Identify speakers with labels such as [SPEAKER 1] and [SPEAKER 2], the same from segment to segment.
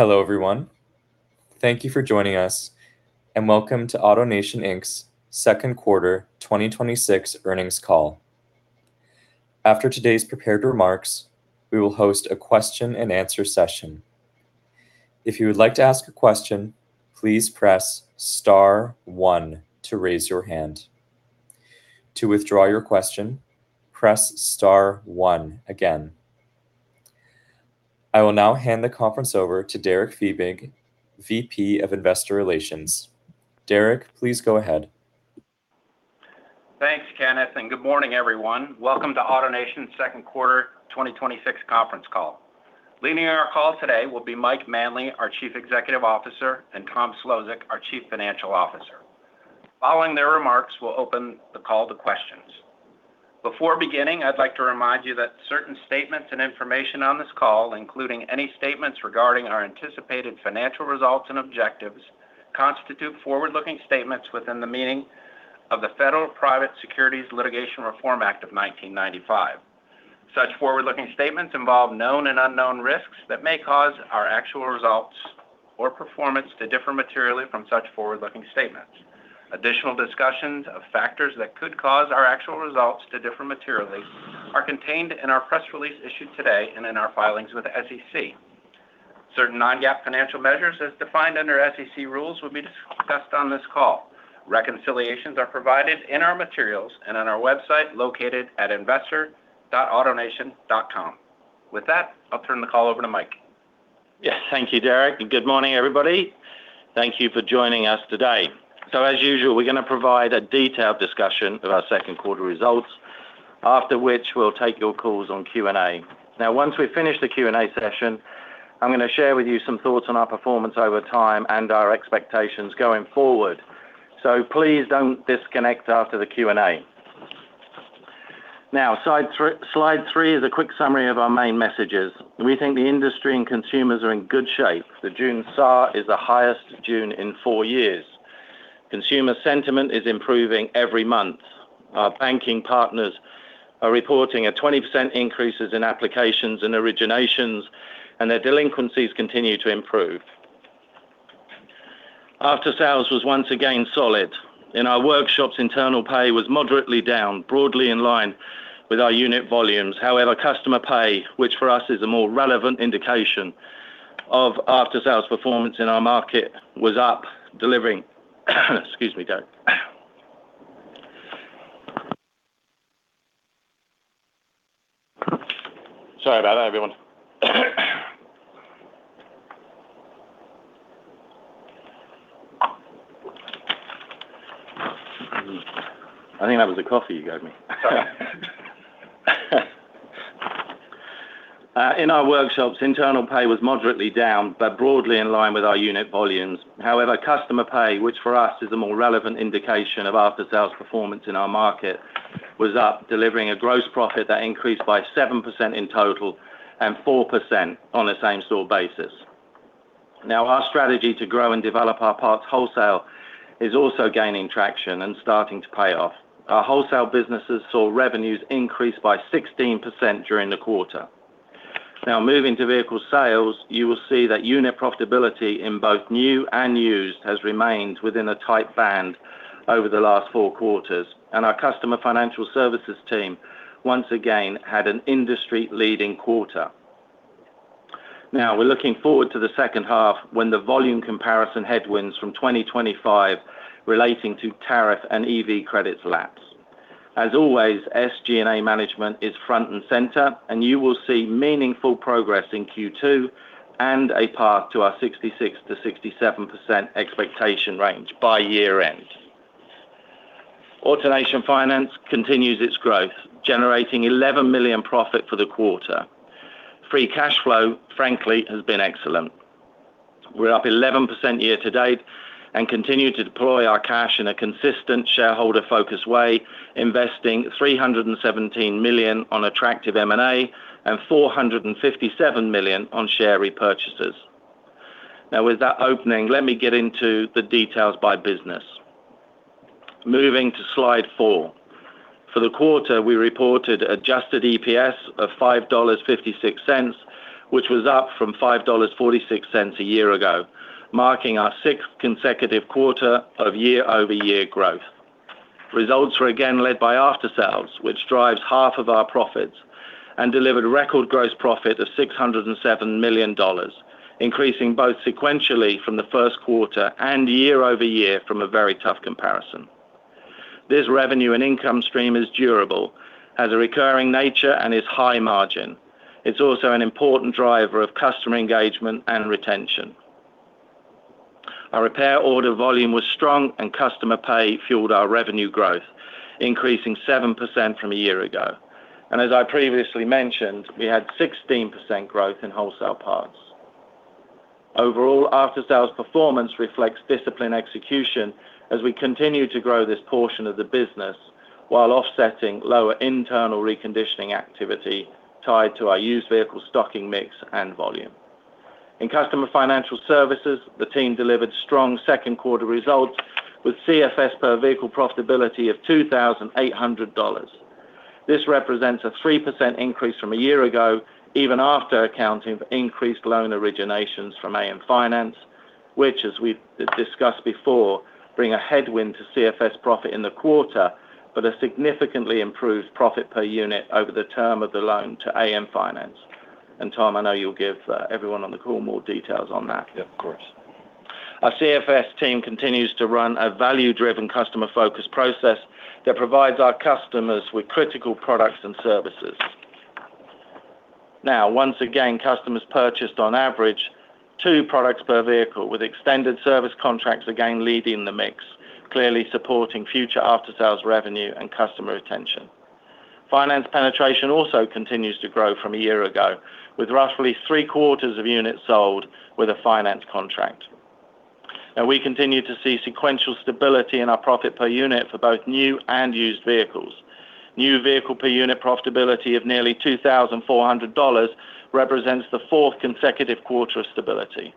[SPEAKER 1] Hello, everyone. Thank you for joining us, and welcome to AutoNation, Inc.'s second quarter 2026 earnings call. After today's prepared remarks, we will host a question and answer session. If you would like to ask a question, please press star one to raise your hand. To withdraw your question, press star one again. I will now hand the conference over to Derek Fiebig, VP of Investor Relations. Derek, please go ahead.
[SPEAKER 2] Thanks, Kenneth, and good morning, everyone. Welcome to AutoNation's second quarter 2026 conference call. Leading our call today will be Mike Manley, our Chief Executive Officer, and Tom Szlosek, our Chief Financial Officer. Following their remarks, we'll open the call to questions. Before beginning, I'd like to remind you that certain statements and information on this call, including any statements regarding our anticipated financial results and objectives, constitute forward-looking statements within the meaning of the Private Securities Litigation Reform Act of 1995. Such forward-looking statements involve known and unknown risks that may cause our actual results or performance to differ materially from such forward-looking statements. Additional discussions of factors that could cause our actual results to differ materially are contained in our press release issued today and in our filings with the SEC. Certain non-GAAP financial measures, as defined under SEC rules, will be discussed on this call. Reconciliations are provided in our materials and on our website located at investor.autonation.com. With that, I'll turn the call over to Mike.
[SPEAKER 3] Yes. Thank you, Derek, and good morning, everybody. Thank you for joining us today. As usual, we're going to provide a detailed discussion of our second quarter results, after which we'll take your calls on Q&A. Once we've finished the Q&A session, I'm going to share with you some thoughts on our performance over time and our expectations going forward. Please don't disconnect after the Q&A. Slide three is a quick summary of our main messages. We think the industry and consumers are in good shape. The June SAAR is the highest June in four years. Consumer sentiment is improving every month. Our banking partners are reporting a 20% increases in applications and originations, and their delinquencies continue to improve. After sales was once again solid. In our workshops, internal pay was moderately down, broadly in line with our unit volumes. In our workshops, internal pay was moderately down, but broadly in line with our unit volumes. However, customer pay, which for us is the more relevant indication of after sales performance in our market, was up, delivering a gross profit that increased by 7% in total and 4% on a same store basis. Our strategy to grow and develop our parts wholesale is also gaining traction and starting to pay off. Our wholesale businesses saw revenues increase by 16% during the quarter. Moving to vehicle sales, you will see that unit profitability in both new and used has remained within a tight band over the last four quarters, and our Customer Financial Services team once again had an industry-leading quarter. We're looking forward to the second half when the volume comparison headwinds from 2025 relating to tariff and EV credits lapse. As always, SG&A management is front and center, and you will see meaningful progress in Q2 and a path to our 66%-67% expectation range by year end. AutoNation Finance continues its growth, generating $11 million profit for the quarter. Free cash flow, frankly, has been excellent. We're up 11% year-to-date and continue to deploy our cash in a consistent shareholder-focused way, investing $317 million on attractive M&A and $457 million on share repurchases. With that opening, let me get into the details by business. Moving to slide four. For the quarter, we reported adjusted EPS of $5.56, which was up from $5.46 a year ago, marking our sixth consecutive quarter of year-over-year growth. Results were again led by after sales, which drives half of our profits and delivered record gross profit of $607 million, increasing both sequentially from the first quarter and year-over-year from a very tough comparison. This revenue and income stream is durable, has a recurring nature, and is high margin. It's also an important driver of customer engagement and retention. Our repair order volume was strong, and customer pay fueled our revenue growth, increasing 7% from a year ago. As I previously mentioned, we had 16% growth in wholesale parts. Overall, after-sales performance reflects disciplined execution as we continue to grow this portion of the business while offsetting lower internal reconditioning activity tied to our used vehicle stocking mix and volume. In Customer Financial Services, the team delivered strong second quarter results with CFS per vehicle profitability of $2,800. This represents a 3% increase from a year ago, even after accounting for increased loan originations from AutoNation Finance, which, as we've discussed before, bring a headwind to CFS profit in the quarter, but a significantly improved profit per unit over the term of the loan to AutoNation Finance. Tom, I know you'll give everyone on the call more details on that.
[SPEAKER 4] Yeah, of course.
[SPEAKER 3] Our CFS team continues to run a value-driven customer-focused process that provides our customers with critical products and services. Once again, customers purchased on average two products per vehicle, with extended service contracts again leading the mix, clearly supporting future after-sales revenue and customer retention. Finance penetration also continues to grow from a year ago, with roughly three-quarters of units sold with a finance contract. We continue to see sequential stability in our profit per unit for both new and used vehicles. New vehicle per unit profitability of nearly $2,400 represents the fourth consecutive quarter of stability.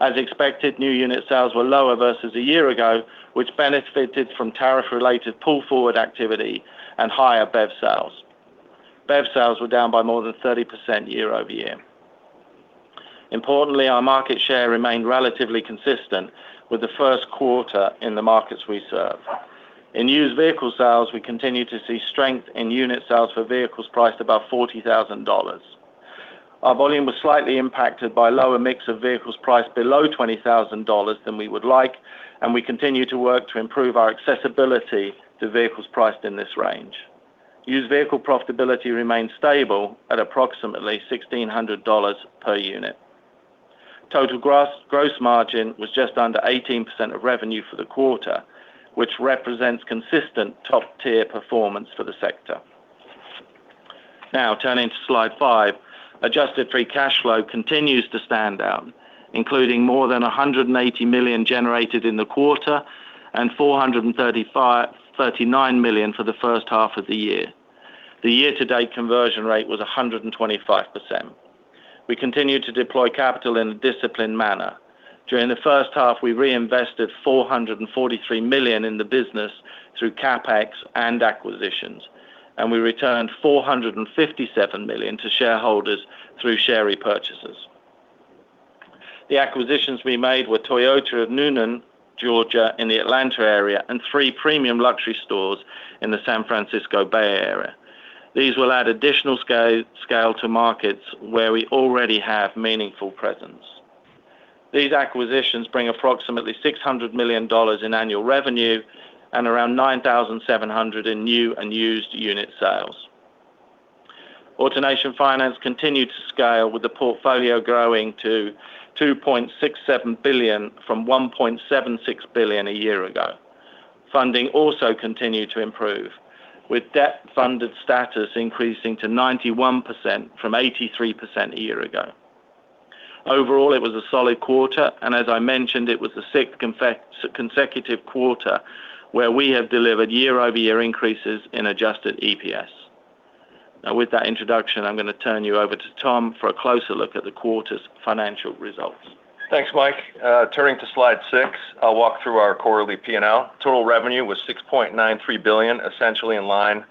[SPEAKER 3] As expected, new unit sales were lower versus a year ago, which benefited from tariff-related pull-forward activity and higher BEV sales. BEV sales were down by more than 30% year-over-year. Importantly, our market share remained relatively consistent with the first quarter in the markets we serve. In used vehicle sales, we continue to see strength in unit sales for vehicles priced above $40,000. Our volume was slightly impacted by a lower mix of vehicles priced below $20,000 than we would like, and we continue to work to improve our accessibility to vehicles priced in this range. Used vehicle profitability remained stable at approximately $1,600 per unit. Total gross margin was just under 18% of revenue for the quarter, which represents consistent top-tier performance for the sector. Turning to slide five. Adjusted free cash flow continues to stand out, including more than $180 million generated in the quarter and $439 million for the first half of the year. The year-to-date conversion rate was 125%. We continued to deploy capital in a disciplined manner. During the first half, we reinvested $443 million in the business through CapEx and acquisitions, and we returned $457 million to shareholders through share repurchases. The acquisitions we made were Toyota of Newnan, Georgia in the Atlanta area and three premium luxury stores in the San Francisco Bay Area. These will add additional scale to markets where we already have a meaningful presence. These acquisitions bring approximately $600 million in annual revenue and around 9,700 in new and used unit sales. AutoNation Finance continued to scale, with the portfolio growing to $2.67 billion from $1.76 billion a year ago. Funding also continued to improve, with debt-funded status increasing to 91% from 83% a year ago. Overall, it was a solid quarter, and as I mentioned, it was the sixth consecutive quarter where we have delivered year-over-year increases in adjusted EPS. With that introduction, I'm going to turn you over to Tom for a closer look at the quarter's financial results.
[SPEAKER 4] Thanks, Mike. Turning to slide six, I'll walk through our quarterly P&L. Total revenue was $6.93 billion, essentially in line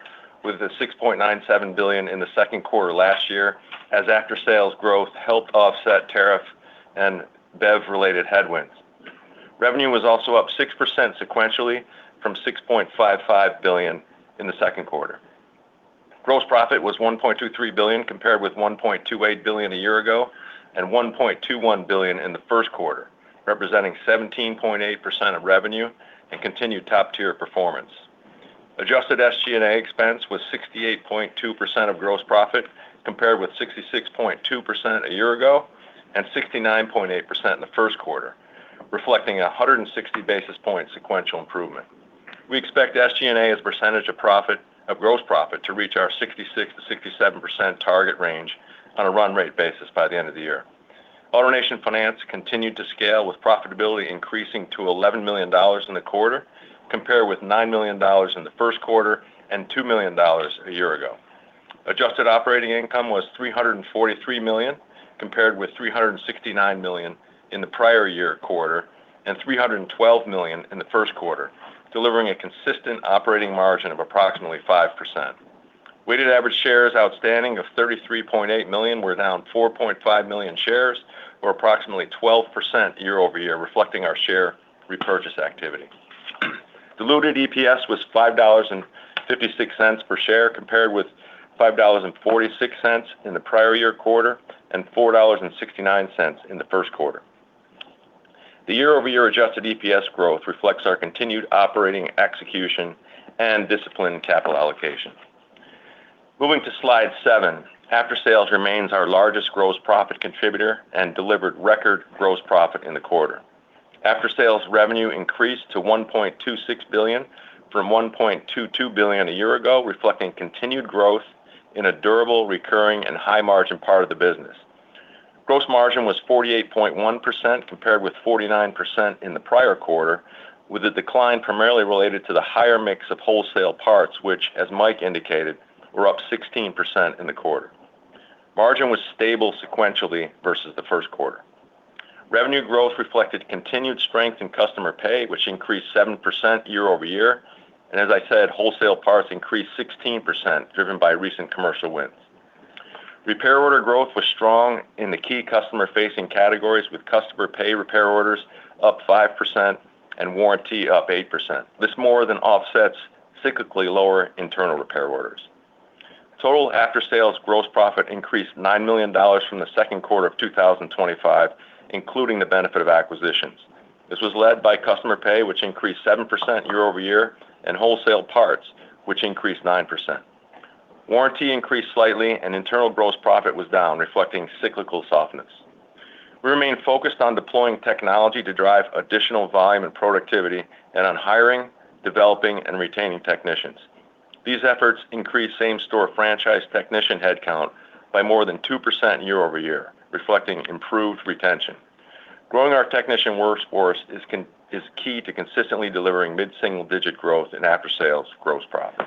[SPEAKER 4] with the $6.97 billion in the second quarter last year, as after-sales growth helped offset tariff and BEV-related headwinds. Revenue was also up 6% sequentially from $6.55 billion in the second quarter. Gross profit was $1.23 billion, compared with $1.28 billion a year ago and $1.21 billion in the first quarter, representing 17.8% of revenue and continued top-tier performance. Adjusted SG&A expense was 68.2% of gross profit, compared with 66.2% a year ago and 69.8% in the first quarter, reflecting a 160-basis point sequential improvement. We expect SG&A as a percentage of gross profit to reach our 66%-67% target range on a run-rate basis by the end of the year. AutoNation Finance continued to scale, with profitability increasing to $11 million in the quarter, compared with $9 million in the first quarter and $2 million a year ago. Adjusted operating income was $343 million, compared with $369 million in the prior year quarter and $312 million in the first quarter, delivering a consistent operating margin of approximately 5%. Weighted average shares outstanding of 33.8 million were down 4.5 million shares or approximately 12% year-over-year, reflecting our share repurchase activity. Diluted EPS was $5.56 per share, compared with $5.46 in the prior year quarter and $4.69 in the first quarter. The year-over-year adjusted EPS growth reflects our continued operating execution and disciplined capital allocation. Moving to slide seven. After-sales remains our largest gross profit contributor and delivered record gross profit in the quarter. After-sales revenue increased to $1.26 billion from $1.22 billion a year ago, reflecting continued growth in a durable, recurring, and high-margin part of the business. Gross margin was 48.1%, compared with 49% in the prior quarter, with the decline primarily related to the higher mix of wholesale parts, which, as Mike indicated, were up 16% in the quarter. Margin was stable sequentially versus the first quarter. Revenue growth reflected continued strength in customer pay, which increased 7% year-over-year. As I said, wholesale parts increased 16%, driven by recent commercial wins. Repair order growth was strong in the key customer-facing categories, with customer pay repair orders up 5% and warranty up 8%. This more than offsets cyclically lower internal repair orders. Total after-sales gross profit increased $9 million from the second quarter of 2025, including the benefit of acquisitions. This was led by customer pay, which increased 7% year-over-year, and wholesale parts, which increased 9%. Warranty increased slightly and internal gross profit was down, reflecting cyclical softness. We remain focused on deploying technology to drive additional volume and productivity and on hiring, developing, and retaining technicians. These efforts increased same-store franchise technician headcount by more than 2% year-over-year, reflecting improved retention. Growing our technician workforce is key to consistently delivering mid-single-digit growth in after-sales gross profit.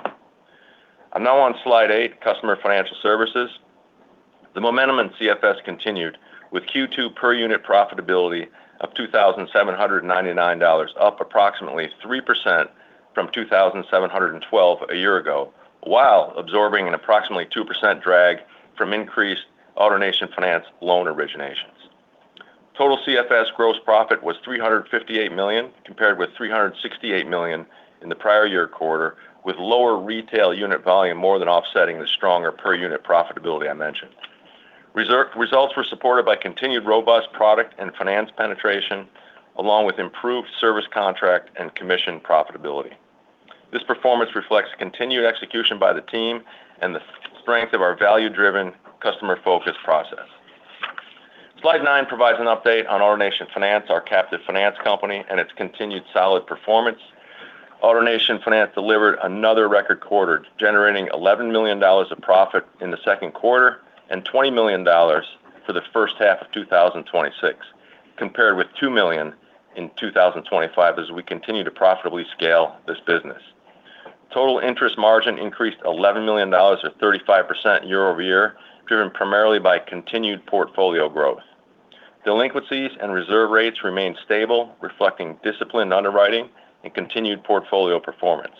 [SPEAKER 4] I'm now on slide eight, customer financial services. The momentum in CFS continued with Q2 per-unit profitability of $2,799, up approximately 3% from $2,712 a year ago, while absorbing an approximately 2% drag from increased AutoNation Finance loan originations. Total CFS gross profit was $358 million, compared with $368 million in the prior year quarter, with lower retail unit volume more than offsetting the stronger per-unit profitability I mentioned. Results were supported by continued robust product and finance penetration along with improved service contract and commission profitability. This performance reflects continued execution by the team and the strength of our value-driven, customer-focused process. Slide nine provides an update on AutoNation Finance, our captive finance company, and its continued solid performance. AutoNation Finance delivered another record quarter, generating $11 million of profit in the second quarter and $20 million for the first half of 2026, compared with $2 million in 2025, as we continue to profitably scale this business. Total interest margin increased $11 million, or 35%, year-over-year, driven primarily by continued portfolio growth. Delinquencies and reserve rates remained stable, reflecting disciplined underwriting and continued portfolio performance.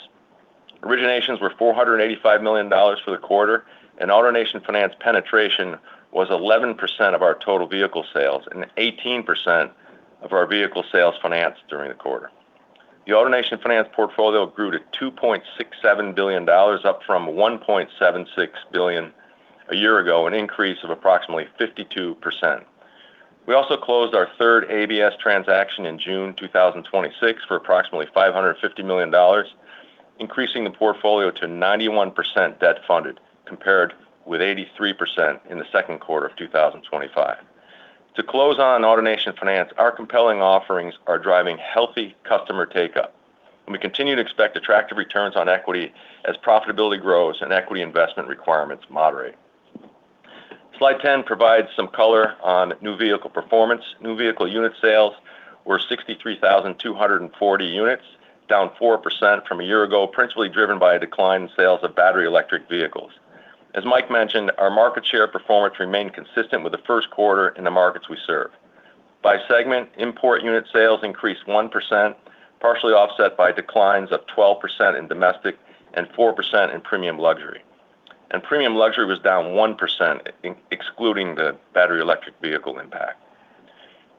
[SPEAKER 4] Originations were $485 million for the quarter, and AutoNation Finance penetration was 11% of our total vehicle sales and 18% of our vehicle sales financed during the quarter. The AutoNation Finance portfolio grew to $2.67 billion, up from $1.76 billion a year ago, an increase of approximately 52%. We also closed our third ABS transaction in June 2026 for approximately $550 million, increasing the portfolio to 91% debt-funded, compared with 83% in the second quarter of 2025. To close on AutoNation Finance, our compelling offerings are driving healthy customer take-up, and we continue to expect attractive returns on equity as profitability grows and equity investment requirements moderate. Slide 10 provides some color on new vehicle performance. New vehicle unit sales were 63,240 units, down 4% from a year ago, principally driven by a decline in sales of battery electric vehicles. As Mike mentioned, our market share performance remained consistent with the first quarter in the markets we serve. By segment, import unit sales increased 1%, partially offset by declines of 12% in domestic and 4% in premium luxury. Premium luxury was down 1%, excluding the battery electric vehicle impact.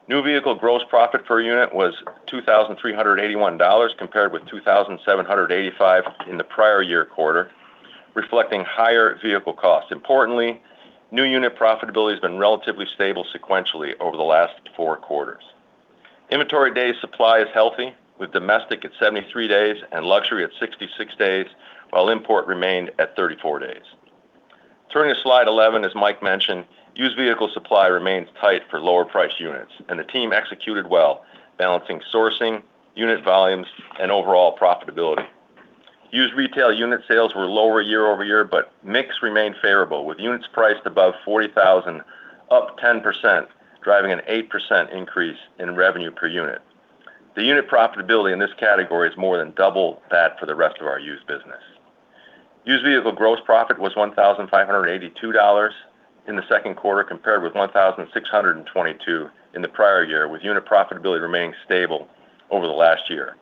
[SPEAKER 4] New vehicle gross profit per unit was $2,381, compared with $2,785 in the prior year quarter, reflecting higher vehicle costs. Importantly, new unit profitability has been relatively stable sequentially over the last four quarters. Inventory days supply is healthy, with domestic at 73 days and luxury at 66 days, while import remained at 34 days. Turning to slide 11, as Mike mentioned, used vehicle supply remains tight for lower-priced units, and the team executed well, balancing sourcing, unit volumes, and overall profitability. Used retail unit sales were lower year-over-year, but mix remained favorable, with units priced above 40,000 up 10%, driving an 8% increase in revenue per unit. The unit profitability in this category is more than double that for the rest of our used business. Used vehicle gross profit was $1,582 in the second quarter, compared with $1,622 in the prior year, with unit profitability remaining stable over the last year.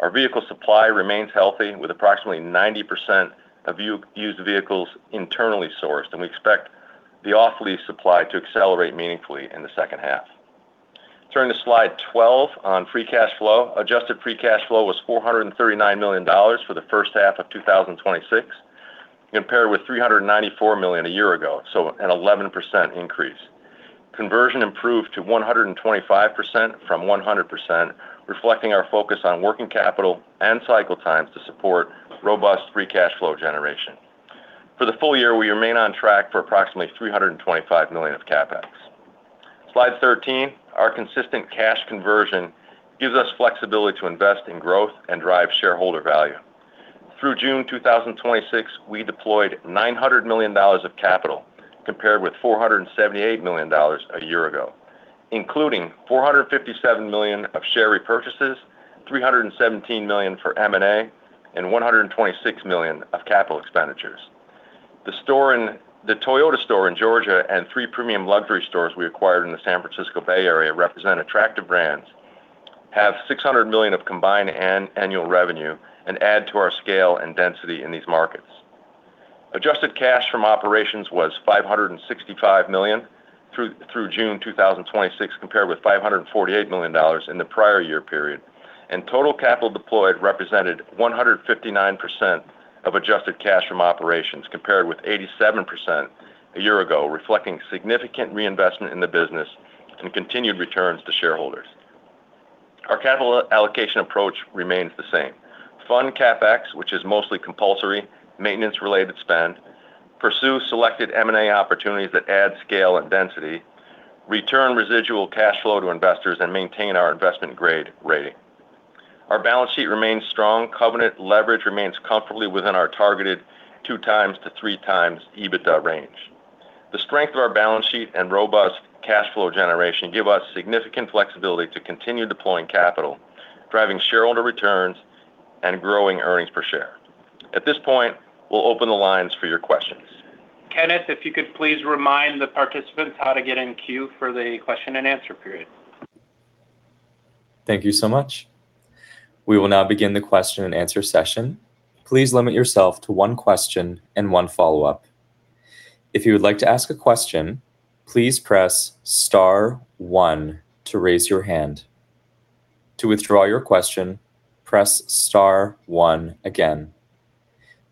[SPEAKER 4] Our vehicle supply remains healthy, with approximately 90% of used vehicles internally sourced, and we expect the off-lease supply to accelerate meaningfully in the second half. Turning to slide 12 on free cash flow. Adjusted free cash flow was $439 million for the first half of 2026, compared with $394 million a year ago, an 11% increase. Conversion improved to 125% from 100%, reflecting our focus on working capital and cycle times to support robust free cash flow generation. For the full year, we remain on track for approximately $325 million of CapEx. Slide 13, our consistent cash conversion gives us flexibility to invest in growth and drive shareholder value. Through June 2026, we deployed $900 million of capital, compared with $478 million a year ago, including $457 million of share repurchases, $317 million for M&A, and $126 million of capital expenditures. The Toyota store in Georgia and three premium luxury stores we acquired in the San Francisco Bay Area represent attractive brands, have $600 million of combined annual revenue, and add to our scale and density in these markets. Adjusted cash from operations was $565 million through June 2026, compared with $548 million in the prior year period, and total capital deployed represented 159% of adjusted cash from operations, compared with 87% a year ago, reflecting significant reinvestment in the business and continued returns to shareholders. Our capital allocation approach remains the same. Fund CapEx, which is mostly compulsory maintenance-related spend, pursue selected M&A opportunities that add scale and density, return residual cash flow to investors, and maintain our investment-grade rating. Our balance sheet remains strong. Covenant leverage remains comfortably within our targeted two times to three times EBITDA range. The strength of our balance sheet and robust cash flow generation give us significant flexibility to continue deploying capital, driving shareholder returns, and growing earnings per share. At this point, we'll open the lines for your questions.
[SPEAKER 2] Kenneth, if you could please remind the participants how to get in queue for the question and answer period.
[SPEAKER 1] Thank you so much. We will now begin the question and answer session. Please limit yourself to one question and one follow-up. If you would like to ask a question, please press star one to raise your hand. To withdraw your question, press star one again.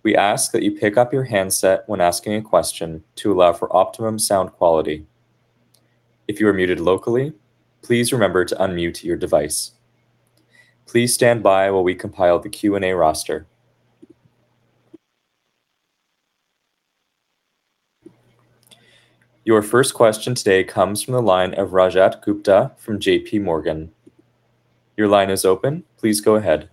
[SPEAKER 1] We ask that you pick up your handset when asking a question to allow for optimum sound quality. If you are muted locally, please remember to unmute your device. Please stand by while we compile the Q&A roster. Your first question today comes from the line of Rajat Gupta from JPMorgan Chase & Co. Your line is open. Please go ahead.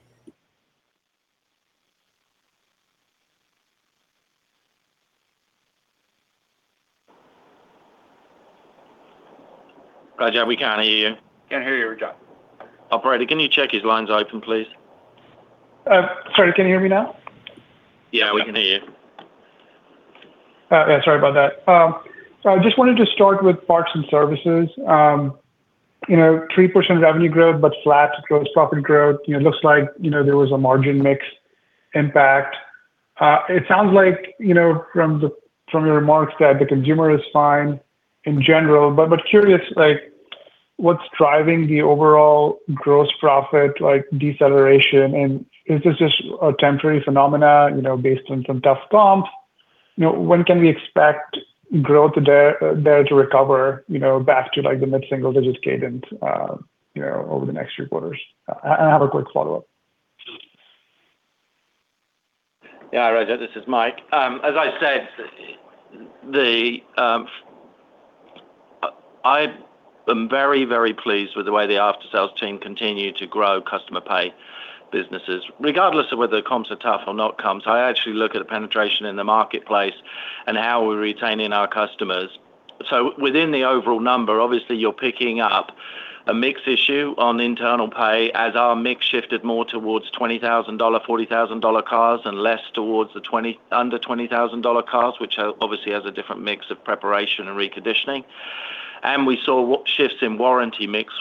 [SPEAKER 4] Rajat, we can't hear you.
[SPEAKER 2] Can't hear you, Rajat.
[SPEAKER 4] Operator, can you check his line's open, please?
[SPEAKER 5] Sorry, can you hear me now?
[SPEAKER 4] Yeah, we can hear you.
[SPEAKER 5] Yeah, sorry about that. I just wanted to start with parts and services. 3% revenue growth, but flat gross profit growth. It looks like there was a margin mix impact. It sounds like from your remarks that the consumer is fine in general, but curious, what's driving the overall gross profit deceleration? Is this just a temporary phenomenon based on some tough comps? When can we expect growth there to recover back to the mid-single digits cadence over the next few quarters? I have a quick follow-up.
[SPEAKER 3] Yeah, Rajat, this is Mike. As I said, I am very, very pleased with the way the after-sales team continue to grow customer pay businesses, regardless of whether the comps are tough or not comps. I actually look at the penetration in the marketplace and how we're retaining our customers. Within the overall number, obviously, you're picking up a mix issue on internal pay as our mix shifted more towards $20,000, $40,000 cars and less towards the under $20,000 cars, which obviously has a different mix of preparation and reconditioning. We saw shifts in warranty mix.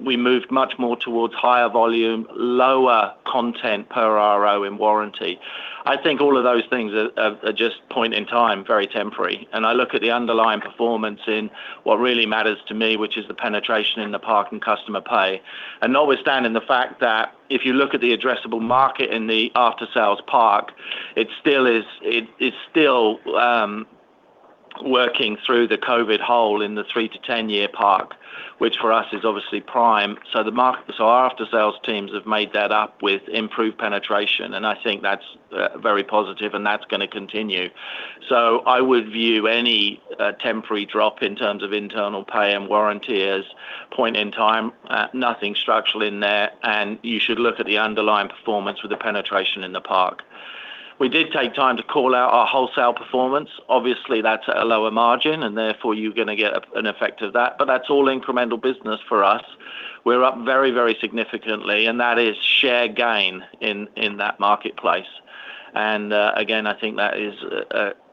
[SPEAKER 3] We moved much more towards higher volume, lower content per RO in warranty. I think all of those things are just point in time, very temporary. I look at the underlying performance in what really matters to me, which is the penetration in the park and customer pay. Notwithstanding the fact that if you look at the addressable market in the after-sales park, it's still working through the COVID hole in the 3 to 10-year park, which for us is obviously prime. Our after-sales teams have made that up with improved penetration, and I think that's very positive and that's going to continue. I would view any temporary drop in terms of internal pay and warranty as point in time. Nothing structural in there, and you should look at the underlying performance with the penetration in the park. We did take time to call out our wholesale performance. Obviously, that's at a lower margin, and therefore you're going to get an effect of that. That's all incremental business for us. We're up very, very significantly, and that is share gain in that marketplace. Again, I think that is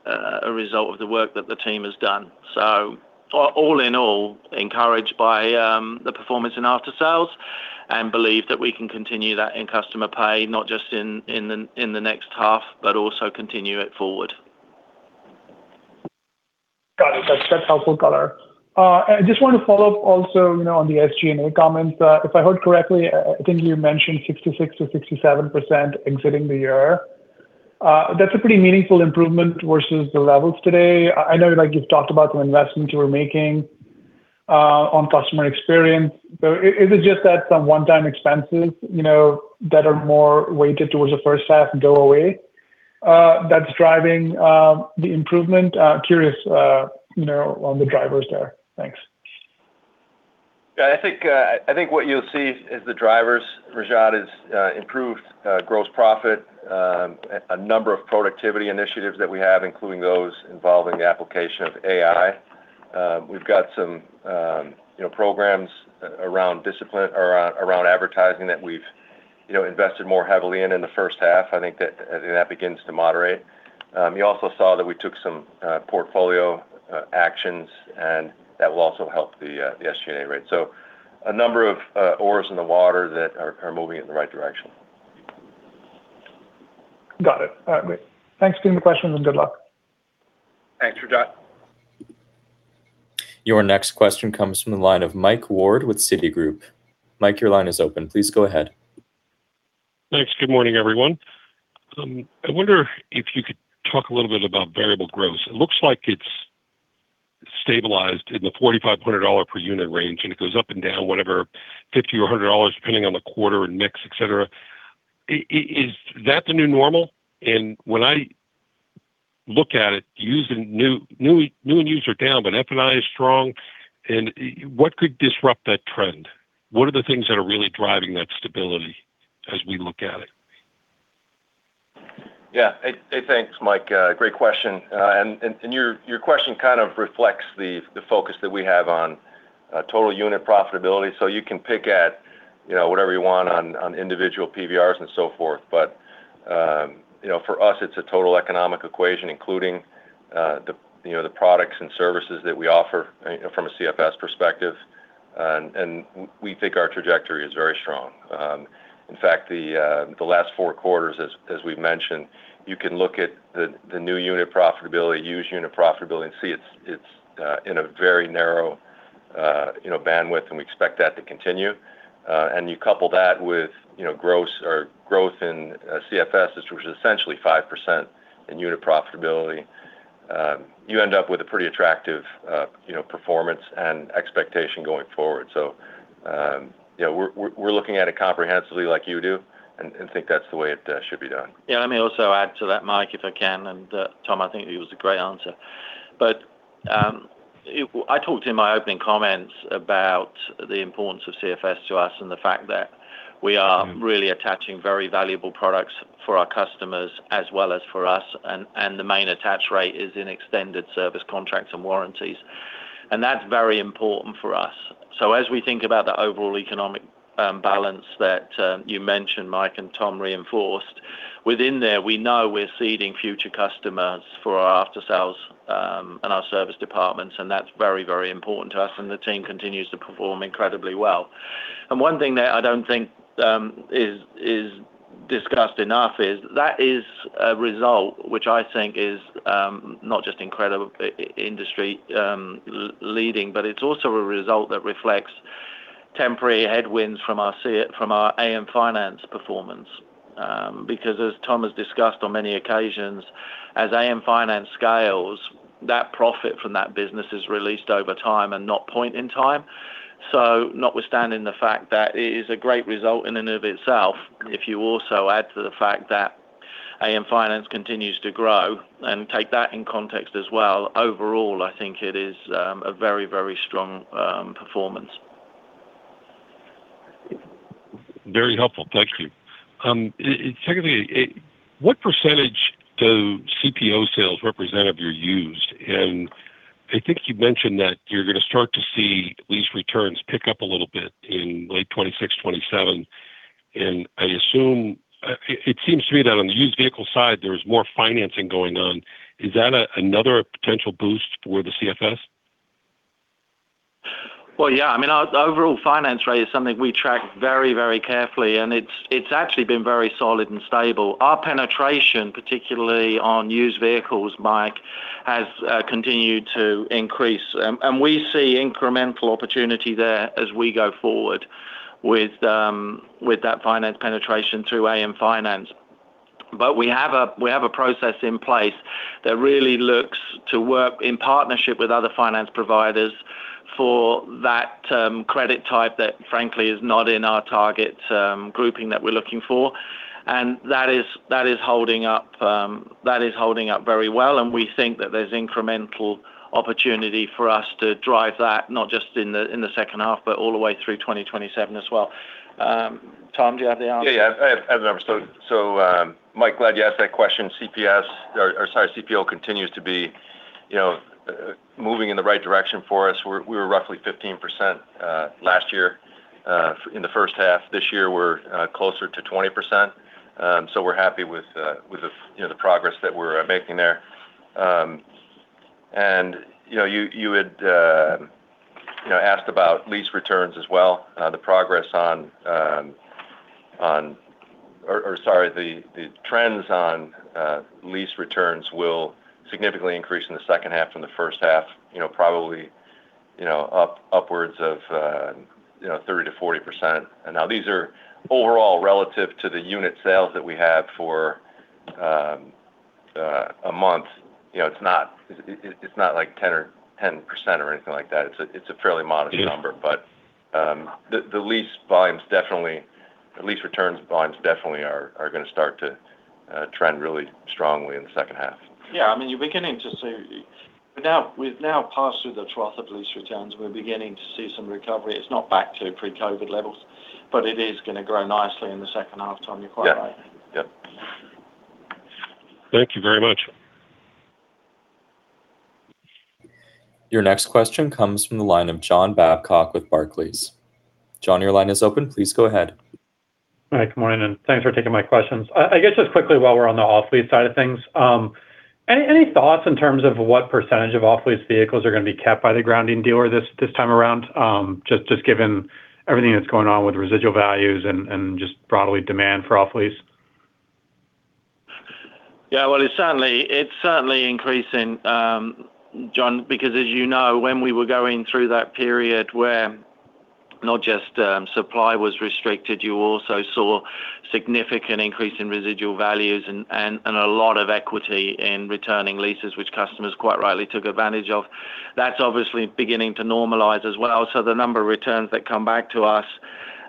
[SPEAKER 3] a result of the work that the team has done. All in all, encouraged by the performance in after sales and believe that we can continue that in customer pay, not just in the next half, but also continue it forward.
[SPEAKER 5] Got it. That's helpful color. I just want to follow up also on the SG&A comments. If I heard correctly, I think you mentioned 66%-67% exiting the year. That's a pretty meaningful improvement versus the levels today. I know you've talked about some investments you were making on customer experience. Is it just that some one-time expenses that are more weighted towards the first half go away that's driving the improvement? Curious on the drivers there. Thanks.
[SPEAKER 4] I think what you'll see as the drivers, Rajat, is improved gross profit, a number of productivity initiatives that we have, including those involving the application of AI. We've got some programs around discipline or around advertising that we've invested more heavily in the first half. I think that begins to moderate. You also saw that we took some portfolio actions, and that will also help the SG&A rate. A number of oars in the water that are moving in the right direction.
[SPEAKER 5] Got it. All right, great. Thanks for taking the question and good luck.
[SPEAKER 3] Thanks, Rajat.
[SPEAKER 1] Your next question comes from the line of Michael Ward with Citigroup. Mike, your line is open. Please go ahead.
[SPEAKER 6] Thanks. Good morning, everyone. I wonder if you could talk a little bit about variable gross. It looks like it's stabilized in the $4,500 per unit range, and it goes up and down, whatever, $50 or $100 depending on the quarter and mix, et cetera. Is that the new normal? When I look at it, new units are down, but F&I is strong. What could disrupt that trend? What are the things that are really driving that stability as we look at it?
[SPEAKER 4] Yeah. Hey, thanks, Mike. Great question. Your question kind of reflects the focus that we have on total unit profitability. You can pick at whatever you want on individual PVR and so forth, but for us, it's a total economic equation, including the products and services that we offer from a CFS perspective. We think our trajectory is very strong. In fact, the last 4 quarters, as we've mentioned, you can look at the new unit profitability, used unit profitability, and see it's in a very narrow bandwidth, and we expect that to continue. You couple that with growth in CFS, which was essentially 5% in unit profitability, you end up with a pretty attractive performance and expectation going forward. We're looking at it comprehensively like you do and think that's the way it should be done.
[SPEAKER 3] Yeah, let me also add to that, Mike, if I can. Tom, I think it was a great answer. I talked in my opening comments about the importance of CFS to us and the fact that we are really attaching very valuable products for our customers as well as for us. The main attach rate is in extended service contracts and warranties. That's very important for us. As we think about the overall economic balance that you mentioned, Mike, and Tom reinforced, within there, we know we're seeding future customers for our aftersales and our service departments, and that's very important to us, and the team continues to perform incredibly well. One thing that I don't think is discussed enough is that is a result which I think is not just incredible industry leading, but it's also a result that reflects temporary headwinds from our AutoNation Finance performance. Because as Tom has discussed on many occasions, as AutoNation Finance scales, that profit from that business is released over time and not point in time. Notwithstanding the fact that it is a great result in and of itself, if you also add to the fact that AutoNation Finance continues to grow and take that in context as well, overall, I think it is a very strong performance.
[SPEAKER 6] Very helpful. Thank you. Secondly, what % do CPO sales represent of your used? I think you mentioned that you're going to start to see lease returns pick up a little bit in late 2026, 2027. I assume, it seems to me that on the used vehicle side, there is more financing going on. Is that another potential boost for the CFS?
[SPEAKER 3] Well, yeah. I mean, our overall finance rate is something we track very carefully, and it's actually been very solid and stable. Our penetration, particularly on used vehicles, Mike, has continued to increase. We see incremental opportunity there as we go forward with that finance penetration through AutoNation Finance. We have a process in place that really looks to work in partnership with other finance providers for that credit type that frankly is not in our target grouping that we're looking for. That is holding up very well, and we think that there's incremental opportunity for us to drive that, not just in the second half, but all the way through 2027 as well. Tom, do you have the answer?
[SPEAKER 4] Yeah. Mike, glad you asked that question. CPO continues to be moving in the right direction for us. We were roughly 15% last year in the first half. This year we're closer to 20%. We're happy with the progress that we're making there. You had asked about lease returns as well. The progress on or, sorry, the trends on lease returns will significantly increase in the second half from the first half, probably upwards of 30%-40%. Now these are overall relative to the unit sales that we have for a month. It's not like 10% or anything like that. It's a fairly modest number. The lease volumes definitely, the lease returns volumes definitely are going to start to trend really strongly in the second half.
[SPEAKER 3] Yeah, I mean, you're beginning to see. We've now passed through the trough of lease returns. We're beginning to see some recovery. It's not back to pre-COVID levels, it is going to grow nicely in the second half, Tom, you're quite right.
[SPEAKER 4] Yeah.
[SPEAKER 6] Thank you very much.
[SPEAKER 1] Your next question comes from the line of John Babcock with Barclays. John, your line is open. Please go ahead.
[SPEAKER 7] Hi, good morning, and thanks for taking my questions. I guess just quickly, while we're on the off-lease side of things, any thoughts in terms of what % of off-lease vehicles are going to be kept by the grounding dealer this time around, just given everything that's going on with residual values and just broadly demand for off-lease?
[SPEAKER 3] Yeah. Well, it's certainly increasing, John, because as you know, when we were going through that period where not just supply was restricted, you also saw significant increase in residual values and a lot of equity in returning leases, which customers quite rightly took advantage of. That's obviously beginning to normalize as well. The number of returns that come back to us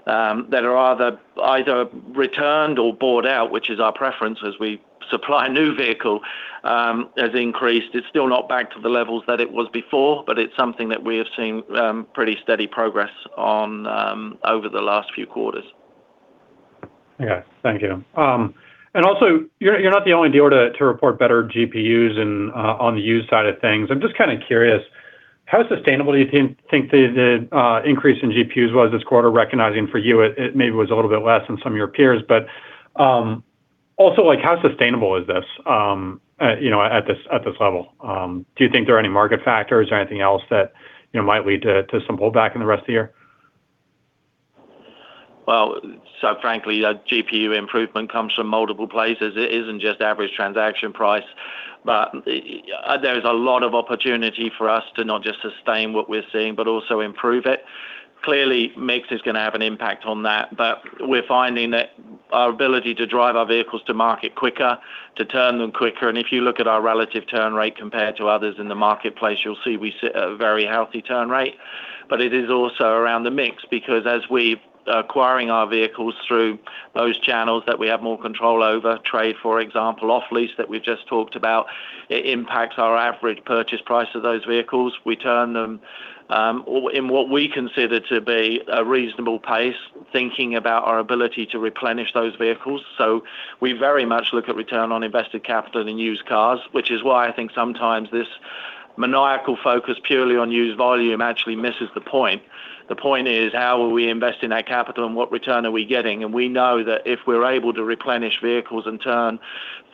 [SPEAKER 3] that are either returned or bought out, which is our preference as we supply a new vehicle, has increased. It's still not back to the levels that it was before, but it's something that we have seen pretty steady progress on over the last few quarters.
[SPEAKER 7] Okay. Thank you. Also, you're not the only dealer to report better GPUs on the used side of things. I'm just kind of curious, how sustainable do you think the increase in GPUs was this quarter, recognizing for you, it maybe was a little bit less than some of your peers, but also how sustainable is this at this level? Do you think there are any market factors or anything else that might lead to some pullback in the rest of the year?
[SPEAKER 3] Frankly, GPU improvement comes from multiple places. It isn't just average transaction price, but there is a lot of opportunity for us to not just sustain what we're seeing, but also improve it. Clearly, mix is going to have an impact on that, but we're finding that our ability to drive our vehicles to market quicker, to turn them quicker. If you look at our relative turn rate compared to others in the marketplace, you'll see we sit at a very healthy turn rate. It is also around the mix because as we acquiring our vehicles through those channels that we have more control over, trade, for example, off-lease that we've just talked about, it impacts our average purchase price of those vehicles. We turn them, in what we consider to be a reasonable pace, thinking about our ability to replenish those vehicles. We very much look at return on invested capital in used cars, which is why I think sometimes this maniacal focus purely on used volume actually misses the point. The point is how will we invest in that capital and what return are we getting? We know that if we're able to replenish vehicles and turn,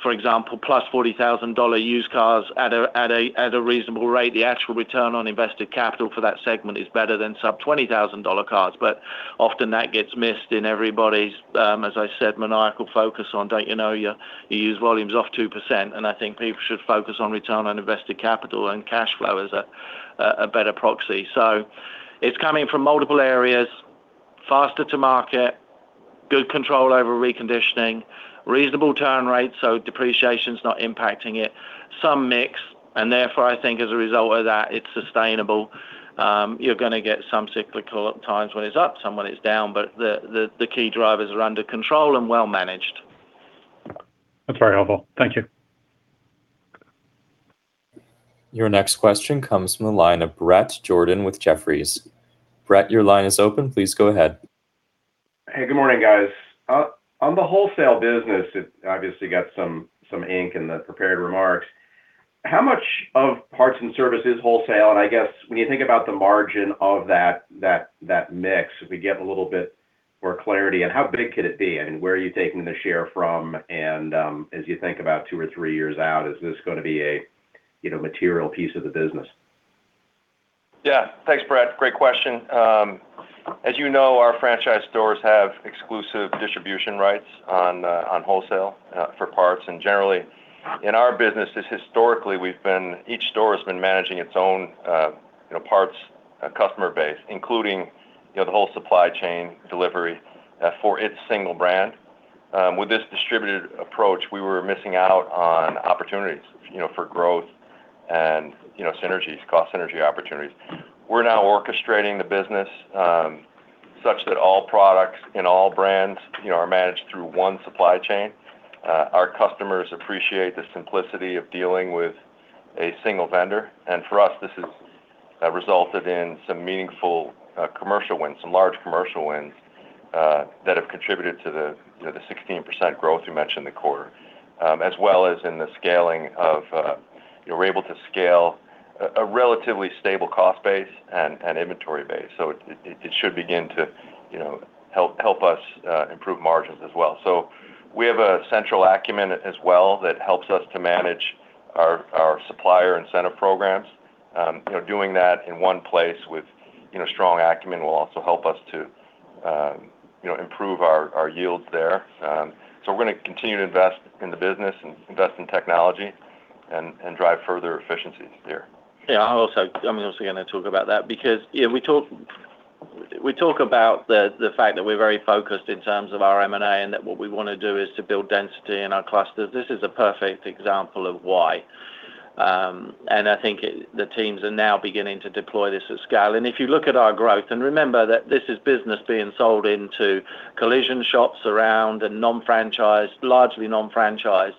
[SPEAKER 3] for example, plus $40,000 used cars at a reasonable rate, the actual return on invested capital for that segment is better than sub-$20,000 cars. Often that gets missed in everybody's, as I said, maniacal focus on, "Don't you know your used volume's off 2%?" I think people should focus on return on invested capital and cash flow as a better proxy. It's coming from multiple areas, faster to market, good control over reconditioning, reasonable turn rates, so depreciation's not impacting it, some mix, and therefore, I think as a result of that, it's sustainable. You're going to get some cyclical at times when it's up, some when it's down, but the key drivers are under control and well managed.
[SPEAKER 7] That's very helpful. Thank you.
[SPEAKER 1] Your next question comes from the line of Bret Jordan with Jefferies. Bret, your line is open. Please go ahead.
[SPEAKER 8] Hey, good morning, guys. On the wholesale business, it obviously got some ink in the prepared remarks. How much of parts and service is wholesale? I guess when you think about the margin of that mix, if we get a little bit more clarity, how big could it be? Where are you taking the share from, as you think about two or three years out, is this going to be a material piece of the business?
[SPEAKER 4] Yeah. Thanks, Bret. Great question. As you know, our franchise stores have exclusive distribution rights on wholesale for parts. Generally, in our business, just historically, each store has been managing its own parts customer base, including the whole supply chain delivery for its single brand. With this distributed approach, we were missing out on opportunities for growth and synergies, cost synergy opportunities. We're now orchestrating the business such that all products in all brands are managed through one supply chain. Our customers appreciate the simplicity of dealing with a single vendor. For us, this has resulted in some meaningful commercial wins, some large commercial wins that have contributed to the 16% growth you mentioned in the quarter. As well as in the scaling of, we're able to scale a relatively stable cost base and inventory base. It should begin to help us improve margins as well. We have a central acumen as well that helps us to manage our supplier incentive programs. Doing that in one place with strong acumen will also help us to improve our yields there. We're going to continue to invest in the business and invest in technology and drive further efficiencies there.
[SPEAKER 3] Yeah. I'm also going to talk about that because we talk about the fact that we're very focused in terms of our M&A, and that what we want to do is to build density in our clusters. This is a perfect example of why. I think the teams are now beginning to deploy this at scale. If you look at our growth, and remember that this is business being sold into collision shops around and largely non-franchised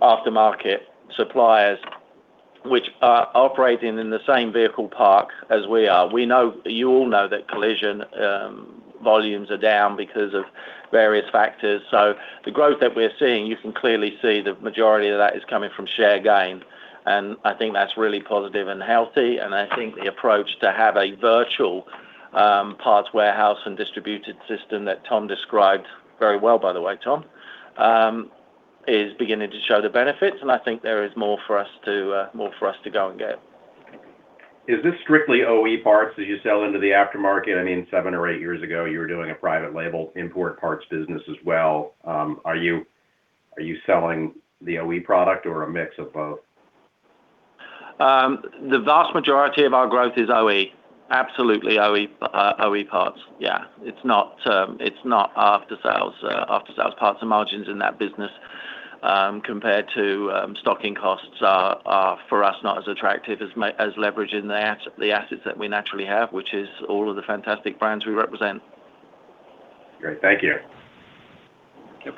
[SPEAKER 3] aftermarket suppliers, which are operating in the same vehicle park as we are. You all know that collision volumes are down because of various factors. The growth that we're seeing, you can clearly see the majority of that is coming from share gain, and I think that's really positive and healthy. I think the approach to have a virtual parts warehouse and distributed system that Tom described very well, by the way, Tom, is beginning to show the benefits, and I think there is more for us to go and get.
[SPEAKER 8] Is this strictly OE parts that you sell into the aftermarket? I mean, seven or eight years ago, you were doing a private label import parts business as well. Are you selling the OE product or a mix of both?
[SPEAKER 3] The vast majority of our growth is OE. Absolutely OE parts. Yeah. It's not after-sales. After-sales parts and margins in that business, compared to stocking costs are, for us, not as attractive as leveraging the assets that we naturally have, which is all of the fantastic brands we represent.
[SPEAKER 8] Great. Thank you.
[SPEAKER 3] Yep.